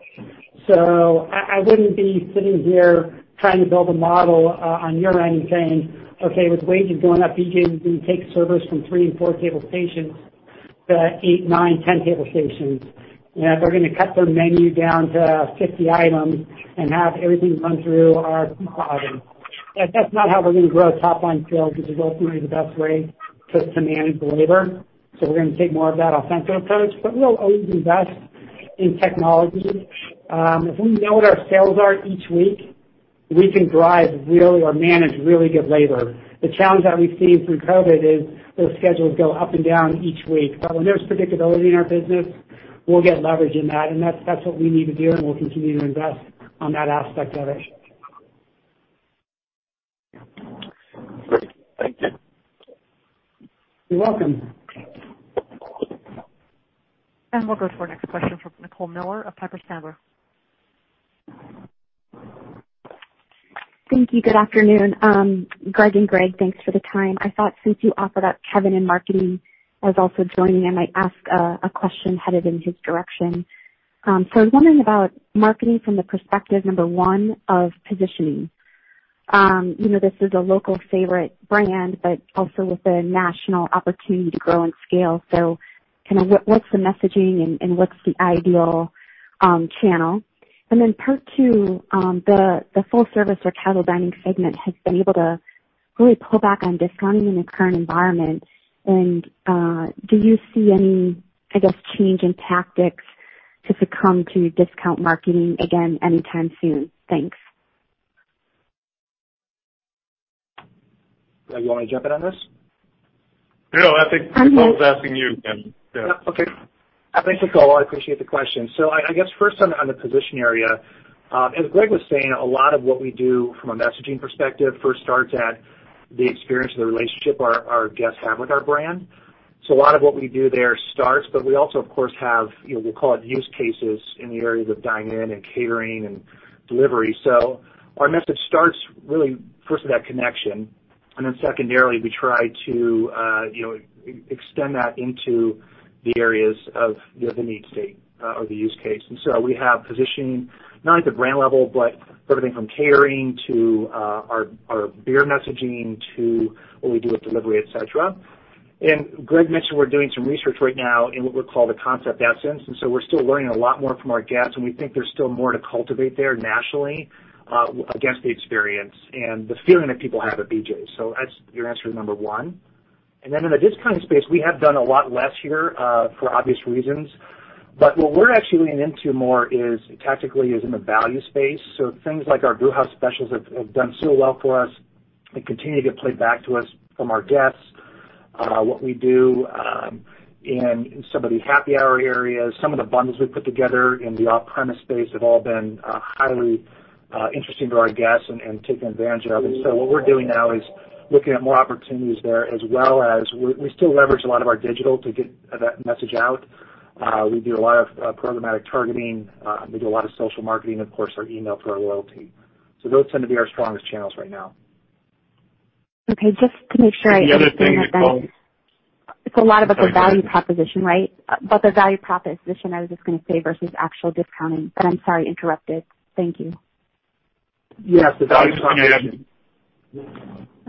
[SPEAKER 4] I wouldn't be sitting here trying to build a model on your end saying, "Okay, with wages going up, BJ's is going to take servers from three and four table stations to eight, nine, 10 table stations." That they're going to cut their menu down to 50 items and have everything come through our KDS. That's not how we're going to grow top-line sales. It's ultimately the best way to manage labor. We're going to take more of that authentic approach, but we'll always invest in technology. If we know what our sales are each week, we can drive or manage really good labor. The challenge that we've seen through COVID is those schedules go up and down each week. When there's predictability in our business, we'll get leverage in that, and that's what we need to do, and we'll continue to invest on that aspect of it.
[SPEAKER 6] Great. Thank you.
[SPEAKER 4] You're welcome.
[SPEAKER 1] We'll go for next question from Nicole Miller of Piper Sandler.
[SPEAKER 7] Thank you. Good afternoon. Greg and Greg, thanks for the time. I thought since you offered up Kevin in marketing as also joining, I might ask a question headed in his direction. I was wondering about marketing from the perspective, number one, of positioning. This is a local favorite brand, but also with a national opportunity to grow and scale. What's the messaging and what's the ideal channel? Part two, the full service or casual dining segment has been able to really pull back on discounting in the current environment. Do you see any, I guess, change in tactics to succumb to discount marketing again anytime soon? Thanks.
[SPEAKER 8] Greg, you want me to jump in on this?
[SPEAKER 2] No, I think Nicole was asking you, Kevin.
[SPEAKER 8] Thanks, Nicole. I appreciate the question. I guess first on the position area, as Greg was saying, a lot of what we do from a messaging perspective first starts at the experience or the relationship our guests have with our brand. A lot of what we do there starts, we also of course have, we'll call it use cases in the areas of dine-in and catering and delivery. Our message starts really first with that connection, then secondarily, we try to extend that into the areas of the need state or the use case. We have positioning not at the brand level, everything from catering to our beer messaging to what we do with delivery, et cetera. Greg mentioned we're doing some research right now in what we call the concept essence. We're still learning a lot more from our guests, and we think there's still more to cultivate there nationally against the experience and the feeling that people have at BJ's. That's your answer to number one. In the discounting space, we have done a lot less here, for obvious reasons. What we're actually leaning into more is tactically is in the value space. Things like our Brewhouse Specials have done so well for us and continue to get played back to us from our guests. What we do in some of the happy hour areas, some of the bundles we put together in the off-premise space have all been highly interesting to our guests and taken advantage of. What we're doing now is looking at more opportunities there as well as we still leverage a lot of our digital to get that message out. We do a lot of programmatic targeting. We do a lot of social marketing, and of course, our email for our loyalty. Those tend to be our strongest channels right now.
[SPEAKER 7] Okay. Just to make sure I understand that then.
[SPEAKER 8] The other thing that Nicole.
[SPEAKER 7] It's a lot about the value proposition, right? About the value proposition, I was just going to say, versus actual discounting. I'm sorry, I interrupted. Thank you.
[SPEAKER 8] Yes, the value proposition.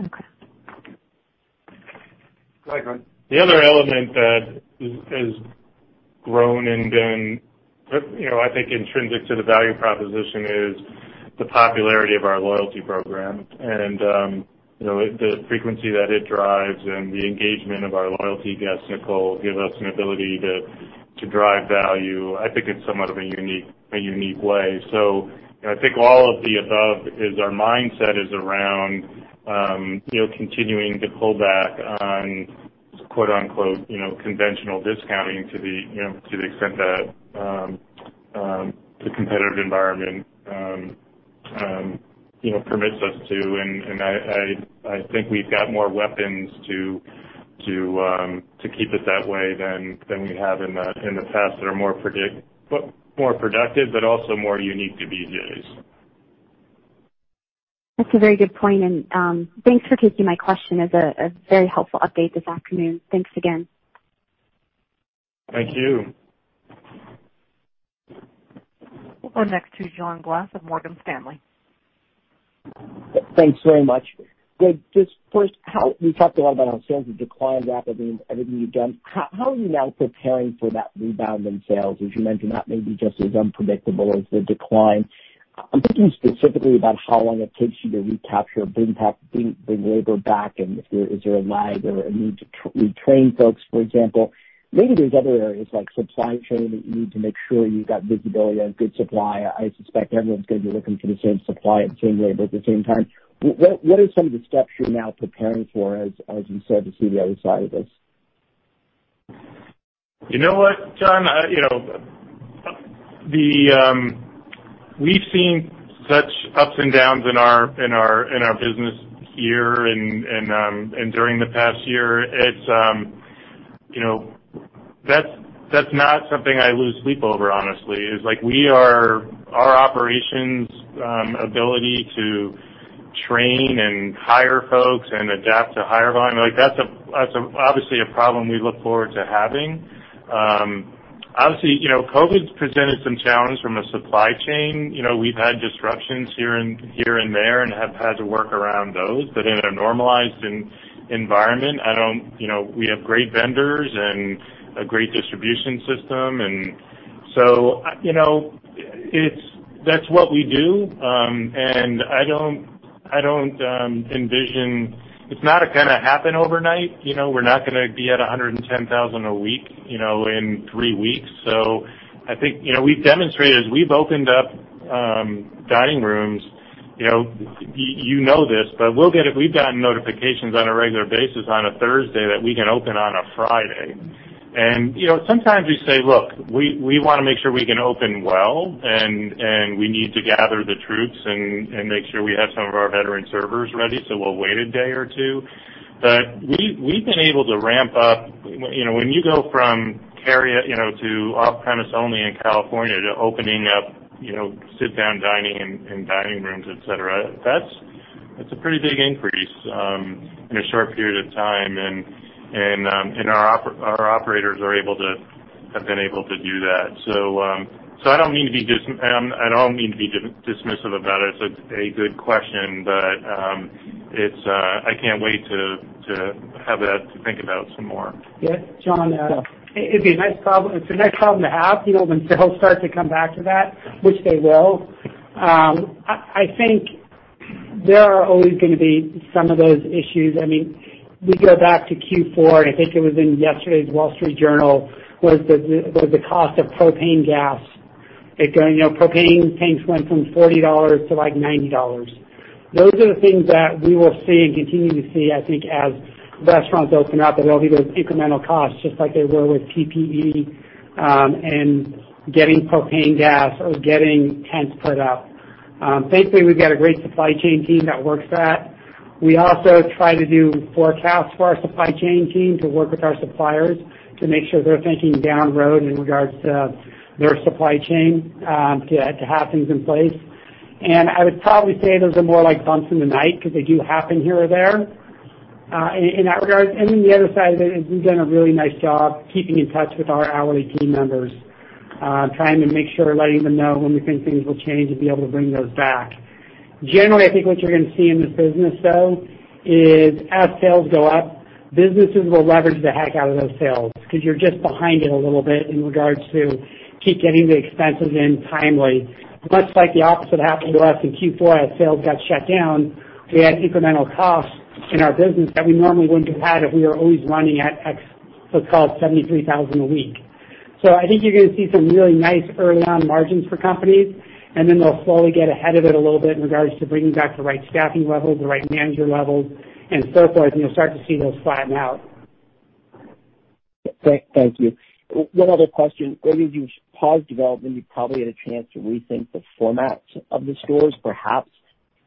[SPEAKER 7] Okay.
[SPEAKER 2] The other element that has grown and been, I think intrinsic to the value proposition is the popularity of our loyalty program and the frequency that it drives and the engagement of our loyalty guest. Nicole give us an ability to drive value. I think it's somewhat of a unique way. I think all of the above is our mindset is around continuing to pull back on quote unquote, "Conventional discounting" to the extent that the competitive environment permits us to. I think we've got more weapons to keep it that way than we have in the past that are more productive, but also more unique to BJ's.
[SPEAKER 7] That's a very good point. Thanks for taking my question. It's a very helpful update this afternoon. Thanks again.
[SPEAKER 2] Thank you.
[SPEAKER 1] We'll go next to John Glass of Morgan Stanley.
[SPEAKER 9] Thanks very much. Gregory Trojan, just first, you talked a lot about how sales have declined rapidly and everything you've done. How are you now preparing for that rebound in sales? As you mentioned, that may be just as unpredictable as the decline. I'm thinking specifically about how long it takes you to recapture bring back the labor and is there a lag or a need to retrain folks, for example. Maybe there's other areas like supply chain that you need to make sure you got visibility on good supply. I suspect everyone's going to be looking for the same supply and same labor at the same time. What are some of the steps you're now preparing for, as you said, to see the other side of this?
[SPEAKER 2] You know what, John? We've seen such ups and downs in our business here and during the past year. That's not something I lose sleep over, honestly, is like, our operations ability to train and hire folks and adapt to higher volume. That's obviously a problem we look forward to having. Obviously, COVID's presented some challenges from a supply chain. We've had disruptions here and there and have had to work around those. In a normalized environment, we have great vendors and a great distribution system. That's what we do. I don't envision It's not gonna happen overnight. We're not gonna be at 110,000 a week in three weeks. I think we've demonstrated as we've opened up dining rooms, you know this, but we've gotten notifications on a regular basis on a Thursday that we can open on a Friday. Sometimes we say, "Look, we want to make sure we can open well, and we need to gather the troops and make sure we have some of our veteran servers ready, so we'll wait a day or two." We've been able to ramp up. When you go from carry to off-premise only in California to opening up sit down dining and dining rooms, et cetera, that's a pretty big increase in a short period of time. Our operators have been able to do that. I don't mean to be dismissive about it. It's a good question, but I can't wait to have that to think about some more.
[SPEAKER 4] Yes, John. Yeah. It's a nice problem to have when sales start to come back to that, which they will. I think there are always going to be some of those issues. We go back to Q4, and I think it was in yesterday's The Wall Street Journal, was the cost of propane gas. Propane tanks went from $40 to $90. Those are the things that we will see and continue to see, I think, as restaurants open up, there will be those incremental costs, just like there were with PPE and getting propane gas or getting tents put up. Thankfully, we've got a great supply chain team that works that. We also try to do forecasts for our supply chain team to work with our suppliers to make sure they're thinking down the road in regards to their supply chain to have things in place. I would probably say those are more like bumps in the night because they do happen here or there. In that regard, the other side of it is we've done a really nice job keeping in touch with our hourly team members, trying to make sure we're letting them know when we think things will change and be able to bring those back. Generally, I think what you're going to see in this business, though, is as sales go up, businesses will leverage the heck out of those sales because you're just behind it a little bit in regards to keep getting the expenses in timely. Much like the opposite happened to us in Q4, as sales got shut down, we had incremental costs in our business that we normally wouldn't have had if we were always running at X, so-called $73,000 a week. I think you're going to see some really nice early-on margins for companies, and then they'll slowly get ahead of it a little bit in regards to bringing back the right staffing levels, the right manager levels, and so forth, and you'll start to see those flatten out.
[SPEAKER 9] Thank you. One other question. When you paused development, you probably had a chance to rethink the format of the stores, perhaps,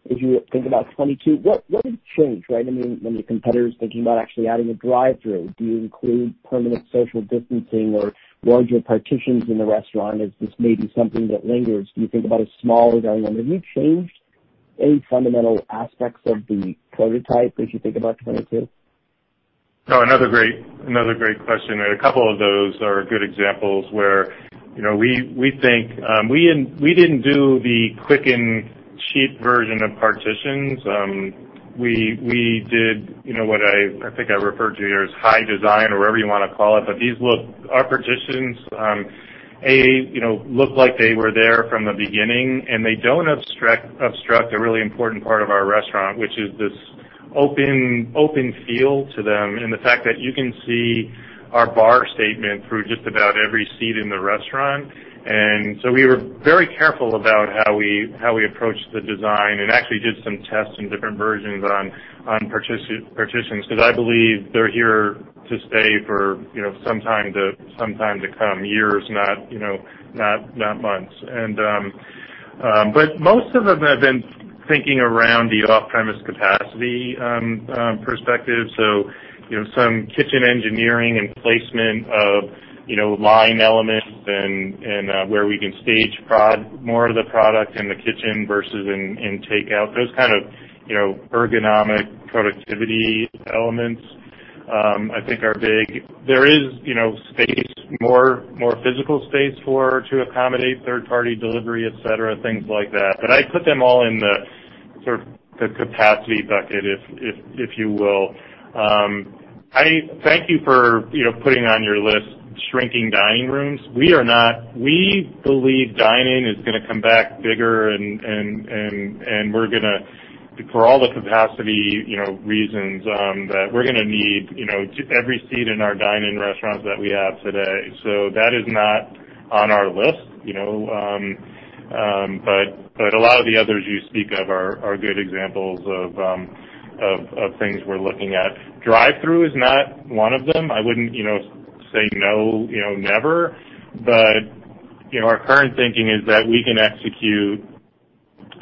[SPEAKER 9] as you think about 2022. What has changed, right? I mean, when your competitor is thinking about actually adding a drive-through. Do you include permanent social distancing or larger partitions in the restaurant as this may be something that lingers? Do you think about a smaller dining room? Have you changed any fundamental aspects of the prototype as you think about 2022?
[SPEAKER 2] No, another great question. A couple of those are good examples where we didn't do the quick and cheap version of partitions. We did what I think I referred to here as high design or whatever you want to call it. Our partitions, A, look like they were there from the beginning, and they don't obstruct a really important part of our restaurant, which is this open feel to them, and the fact that you can see our bar statement through just about every seat in the restaurant. We were very careful about how we approached the design and actually did some tests and different versions on partitions, because I believe they're here to stay for some time to come, years, not months. Most of them have been thinking around the off-premise capacity perspective. Some kitchen engineering and placement of line elements and where we can stage more of the product in the kitchen versus in takeout. Those kind of ergonomic productivity elements, I think, are big. There is space, more physical space to accommodate third-party delivery, et cetera, things like that. I put them all in the capacity bucket, if you will. Thank you for putting on your list shrinking dining rooms. We believe dine-in is going to come back bigger, and for all the capacity reasons, that we're going to need every seat in our dine-in restaurants that we have today. That is not on our list. A lot of the others you speak of are good examples of things we're looking at. Drive-through is not one of them. I wouldn't say no, never. Our current thinking is that we can execute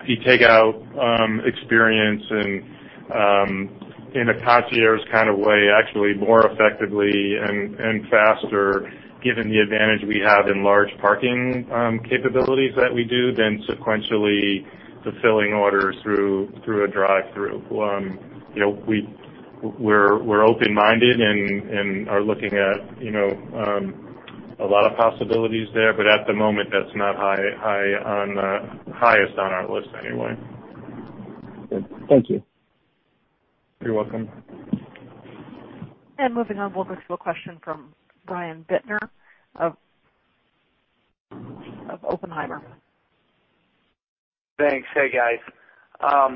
[SPEAKER 2] the takeout experience in a concierge kind of way, actually more effectively and faster, given the advantage we have in large parking capabilities that we do than sequentially fulfilling orders through a drive-through. We're open-minded and are looking at a lot of possibilities there. At the moment, that's not highest on our list anyway.
[SPEAKER 9] Thank you.
[SPEAKER 2] You're welcome.
[SPEAKER 1] Moving on, we'll go to a question from Brian Bittner of Oppenheimer.
[SPEAKER 10] Thanks. Hey, guys.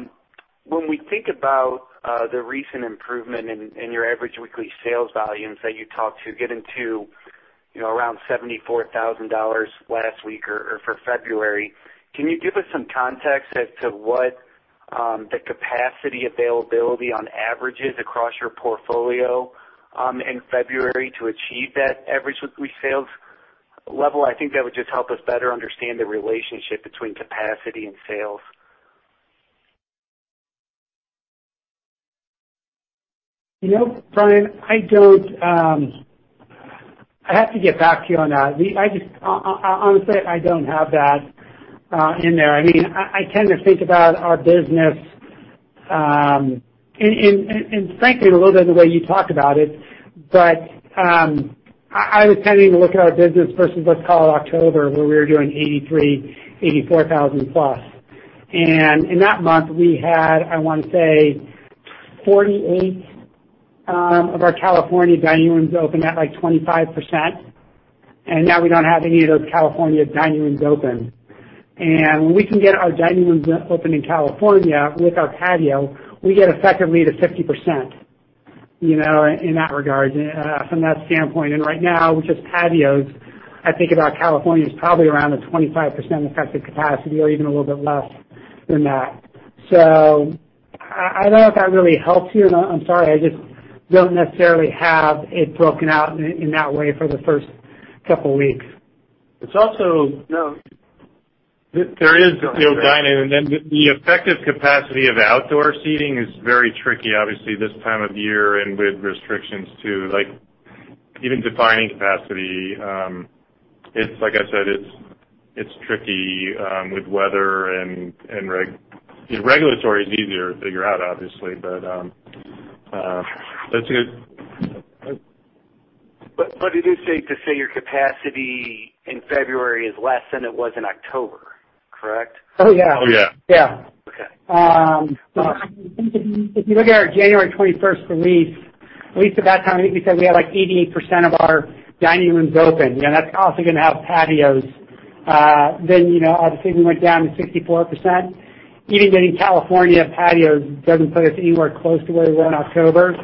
[SPEAKER 10] When we think about the recent improvement in your average weekly sales volumes that you talked to getting to around $74,000 last week or for February, can you give us some context as to what the capacity availability on average is across your portfolio in February to achieve that average weekly sales level? I think that would just help us better understand the relationship between capacity and sales.
[SPEAKER 4] Brian, I have to get back to you on that. Honestly, I don't have that in there. I tend to think about our business. Frankly, a little bit of the way you talked about it, but I was tending to look at our business versus, let's call it October, where we were doing $83,000, $84,000+. In that month, we had, I want to say, 48 of our California dining rooms open at 25%, and now we don't have any of those California dining rooms open. When we can get our dining rooms open in California with our patio, we get effectively to 50% in that regard, from that standpoint. Right now, with just patios, I think about California is probably around a 25% effective capacity or even a little bit less than that. I don't know if that really helps you. I'm sorry, I just don't necessarily have it broken out in that way for the first couple of weeks.
[SPEAKER 2] It's also, there is no dining, and then the effective capacity of outdoor seating is very tricky, obviously, this time of year and with restrictions too. Even defining capacity, like I said, it's tricky with weather. Regulatory is easier to figure out, obviously. That's a good
[SPEAKER 10] It is safe to say your capacity in February is less than it was in October, correct?
[SPEAKER 4] Oh, yeah.
[SPEAKER 2] Oh, yeah.
[SPEAKER 4] Yeah.
[SPEAKER 10] Okay.
[SPEAKER 4] If you look at our January 21 release, at least at that time, I think we said we had 88% of our dining rooms open. That's also going to have patios. Obviously, we went down to 64%. Even getting California patios doesn't put us anywhere close to where we were in October.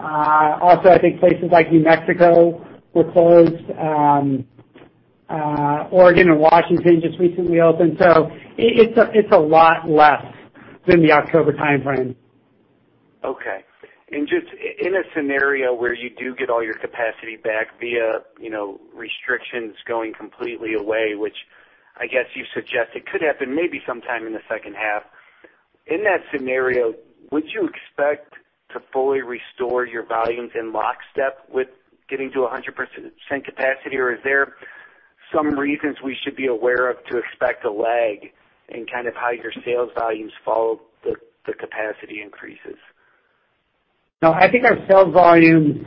[SPEAKER 4] Also, I think places like New Mexico were closed. Oregon and Washington just recently opened. It's a lot less than the October timeframe.
[SPEAKER 10] Okay. Just in a scenario where you do get all your capacity back via restrictions going completely away, which I guess you suggest it could happen maybe sometime in the second half. In that scenario, would you expect to fully restore your volumes in lockstep with getting to 100% capacity, or is there some reasons we should be aware of to expect a lag in how your sales volumes follow the capacity increases?
[SPEAKER 4] No, I think our sales volumes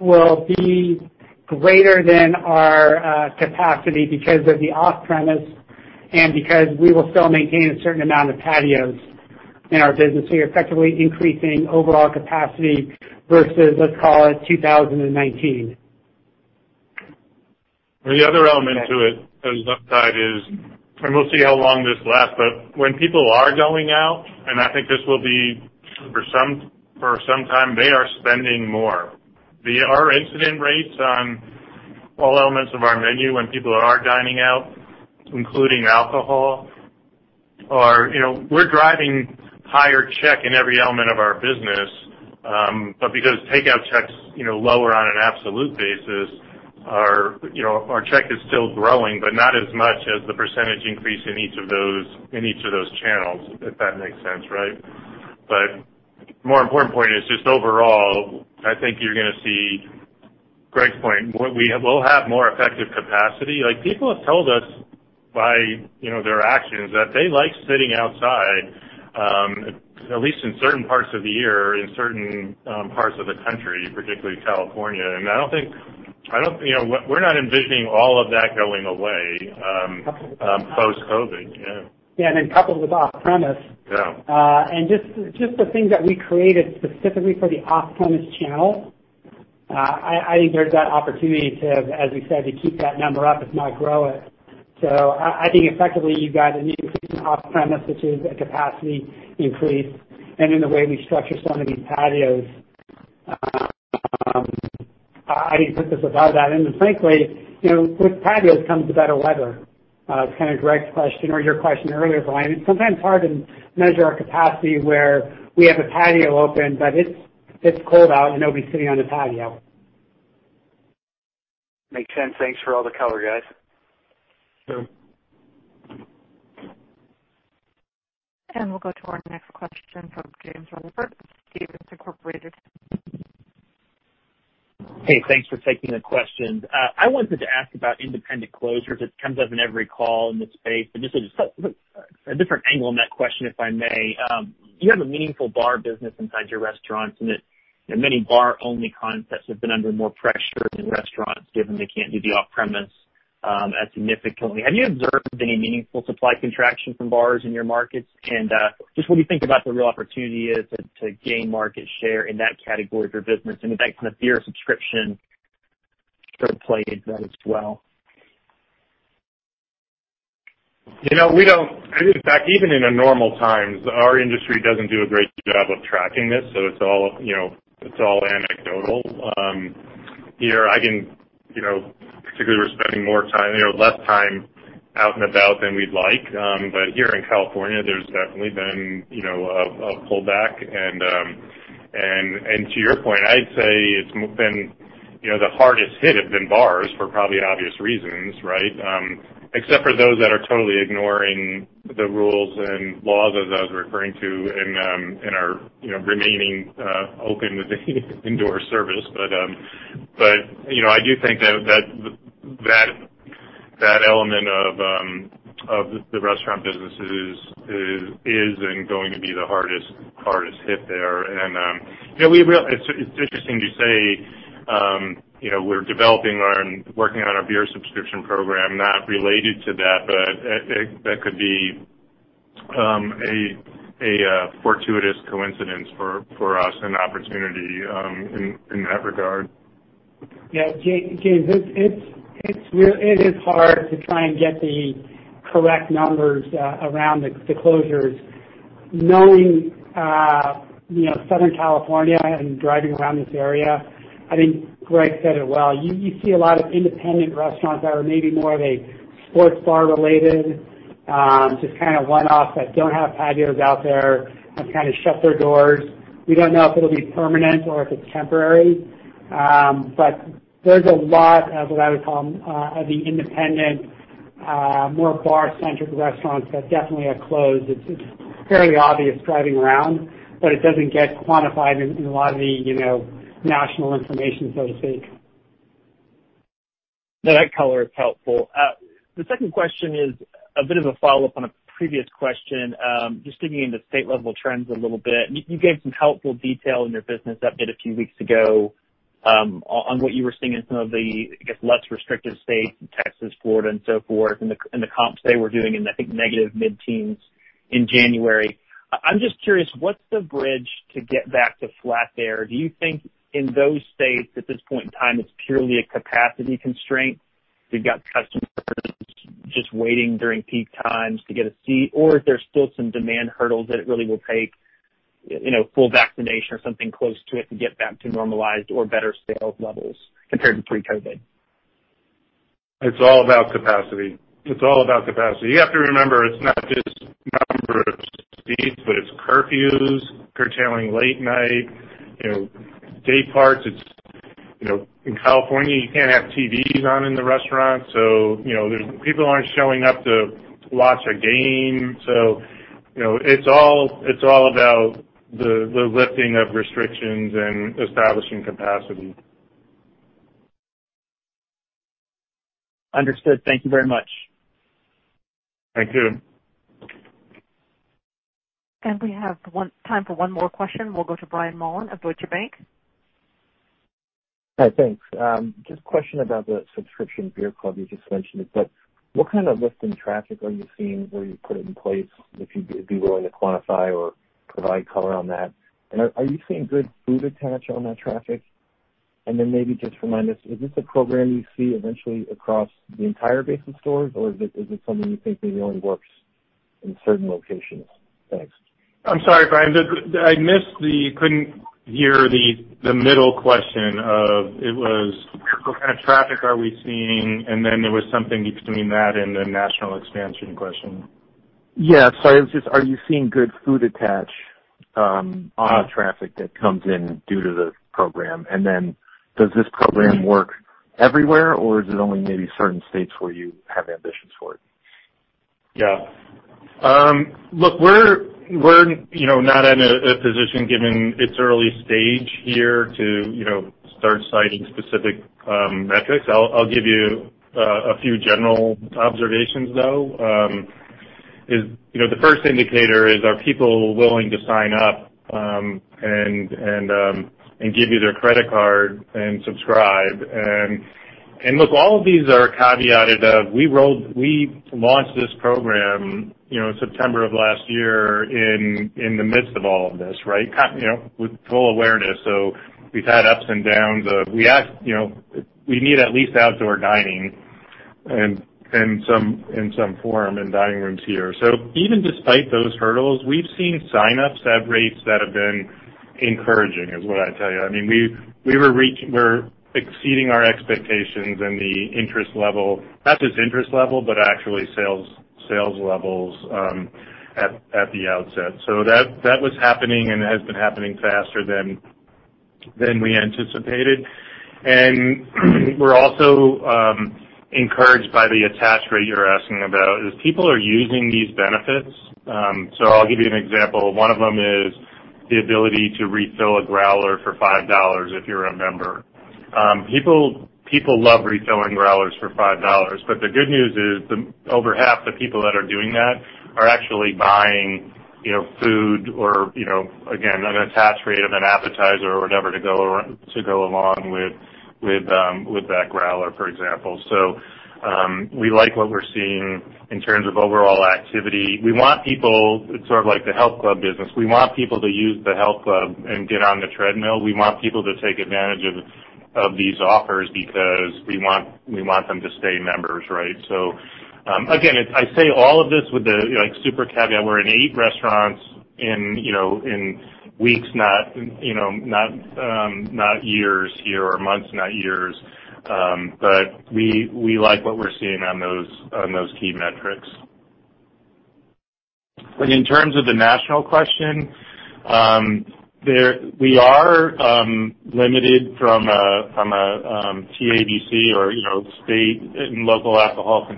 [SPEAKER 4] will be greater than our capacity because of the off-premise and because we will still maintain a certain amount of patios in our business. You're effectively increasing overall capacity versus, let's call it 2019.
[SPEAKER 2] The other element to it, the upside is, and we'll see how long this lasts, but when people are going out, and I think this will be for some time, they are spending more. Our incident rates on all elements of our menu when people are dining out, including alcohol, we're driving higher check in every element of our business. Because takeout check's lower on an absolute basis, our check is still growing, but not as much as the percentage increase in each of those channels, if that makes sense. More important point is just overall, I think you're going to see Greg's point, we'll have more effective capacity. People have told us by their actions that they like sitting outside, at least in certain parts of the year, in certain parts of the country, particularly California. We're not envisioning all of that going away post-COVID.
[SPEAKER 4] Yeah, coupled with off-premise.
[SPEAKER 2] Yeah.
[SPEAKER 4] Just the things that we created specifically for the off-premise channel, I think there's that opportunity to, as we said, to keep that number up, if not grow it. I think effectively, you've got an increasing off-premise, which is a capacity increase. In the way we structure some of these patios, I think that puts us above that. Frankly, with patios comes the better weather. To kind of Greg's question or your question earlier, Brian, it's sometimes hard to measure our capacity where we have a patio open, but it's cold out and nobody's sitting on the patio.
[SPEAKER 10] Makes sense. Thanks for all the color, guys.
[SPEAKER 2] Sure.
[SPEAKER 1] We'll go to our next question from James Rutherford with Stephens Inc..
[SPEAKER 11] Hey, thanks for taking the questions. It comes up in every call in the space. Just a different angle on that question, if I may. You have a meaningful bar business inside your restaurants, and that many bar-only concepts have been under more pressure than restaurants, given they can't do the off-premise as significantly. Have you observed any meaningful supply contraction from bars in your markets? Just what do you think about the real opportunity is to gain market share in that category of your business, and if that kind of beer subscription could play into that as well?
[SPEAKER 2] In fact, even in normal times, our industry doesn't do a great job of tracking this, so it's all anecdotal. Particularly, we're spending less time out and about than we'd like, but here in California, there's definitely been a pullback. To your point, I'd say the hardest hit have been bars for probably obvious reasons. Except for those that are totally ignoring the rules and laws, as I was referring to, and are remaining open with indoor service. I do think that element of the restaurant business is and going to be the hardest hit there. It's interesting you say we're developing and working on our beer subscription program, not related to that, but that could be a fortuitous coincidence for us, an opportunity in that regard.
[SPEAKER 4] James, it is hard to try and get the correct numbers around the closures. Knowing Southern California and driving around this area, I think Greg said it well. You see a lot of independent restaurants that are maybe more of a sports bar related, just kind of one-off, that don't have patios out there, have shut their doors. We don't know if it'll be permanent or if it's temporary. There's a lot of what I would call the independent, more bar-centric restaurants that definitely are closed. It's fairly obvious driving around, but it doesn't get quantified in a lot of the national information, so to speak.
[SPEAKER 11] That color is helpful. The second question is a bit of a follow-up on a previous question, just digging into state level trends a little bit. You gave some helpful detail in your business update a few weeks ago on what you were seeing in some of the, I guess, less restrictive states, Texas, Florida, and so forth, and the comps they were doing in, I think, negative mid-teens in January. I'm just curious, what's the bridge to get back to flat there? Do you think in those states at this point in time it's purely a capacity constraint? We've got customers just waiting during peak times to get a seat, or is there still some demand hurdles that it really will take full vaccination or something close to it to get back to normalized or better sales levels compared to pre-COVID?
[SPEAKER 2] It's all about capacity. You have to remember, it's not just number of seats, but it's curfews, curtailing late night, day parts. In California, you can't have TVs on in the restaurant. People aren't showing up to watch a game. It's all about the lifting of restrictions and establishing capacity.
[SPEAKER 11] Understood. Thank you very much.
[SPEAKER 2] Thank you.
[SPEAKER 1] We have time for one more question. We'll go to Brian Mullan of Deutsche Bank.
[SPEAKER 12] Hi. Thanks. Just a question about the subscription beer club you just mentioned. What kind of lift in traffic are you seeing where you put it in place, if you'd be willing to quantify or provide color on that? Are you seeing good food attach on that traffic? Maybe just remind us, is this a program you see eventually across the entire base of stores, or is it something you think maybe only works in certain locations? Thanks.
[SPEAKER 2] I'm sorry, Brian, I missed the, couldn't hear the middle question of, it was what kind of traffic are we seeing, and then there was something between that and the national expansion question.
[SPEAKER 12] Yeah. Sorry. It was just, are you seeing good food attach on traffic that comes in due to the program? Does this program work everywhere, or is it only maybe certain states where you have ambitions for it?
[SPEAKER 2] Look, we're not in a position, given its early stage here, to start citing specific metrics. I'll give you a few general observations, though. The first indicator is, are people willing to sign up and give you their credit card and subscribe? Look, all of these are caveated of, we launched this program September of last year in the midst of all of this, with full awareness. We've had ups and downs of, we need at least outdoor dining in some form in dining rooms here. Even despite those hurdles, we've seen sign-ups at rates that have been encouraging, is what I'd tell you. We're exceeding our expectations in the interest level. Not just interest level, but actually sales levels at the outset. That was happening and has been happening faster than we anticipated. We're also encouraged by the attach rate you're asking about, is people are using these benefits. I'll give you an example. One of them is the ability to refill a growler for $5 if you're a member. People love refilling growlers for $5. The good news is, over half the people that are doing that are actually buying food or, again, an attach rate of an appetizer or whatever to go along with that growler, for example. We like what we're seeing in terms of overall activity. It's sort of like the health club business. We want people to use the health club and get on the treadmill. We want people to take advantage of these offers because we want them to stay members. Again, I say all of this with a super caveat. We're in eight restaurants in weeks, not years here, or months, not years. We like what we're seeing on those key metrics. In terms of the national question, we are limited from a TABC or state and local alcohol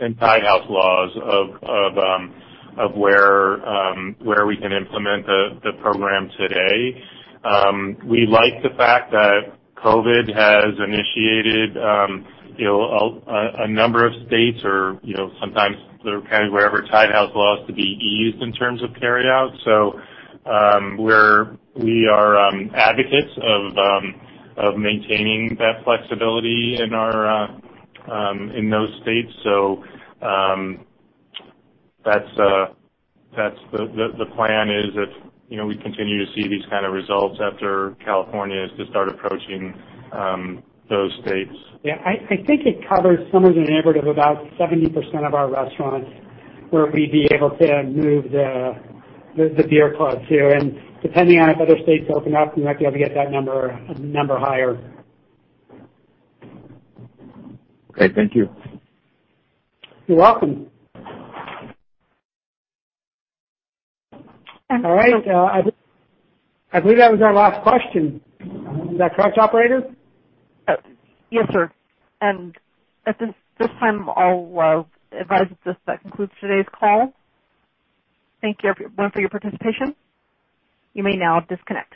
[SPEAKER 2] and tied-house laws of where we can implement the program today. We like the fact that COVID has initiated a number of states or sometimes they're kind of wherever tied-house laws to be eased in terms of carryout. We are advocates of maintaining that flexibility in those states. The plan is if we continue to see these kind of results after California is to start approaching those states.
[SPEAKER 4] Yeah, I think it covers somewhere in the neighborhood of about 70% of our restaurants where we'd be able to move the beer club to. Depending on if other states open up, we might be able to get that number a number higher.
[SPEAKER 12] Okay, thank you.
[SPEAKER 4] You're welcome. All right. I believe that was our last question. Is that correct, operator?
[SPEAKER 1] Yes, sir. At this time, I'll advise that this concludes today's call. Thank you, everyone, for your participation. You may now disconnect.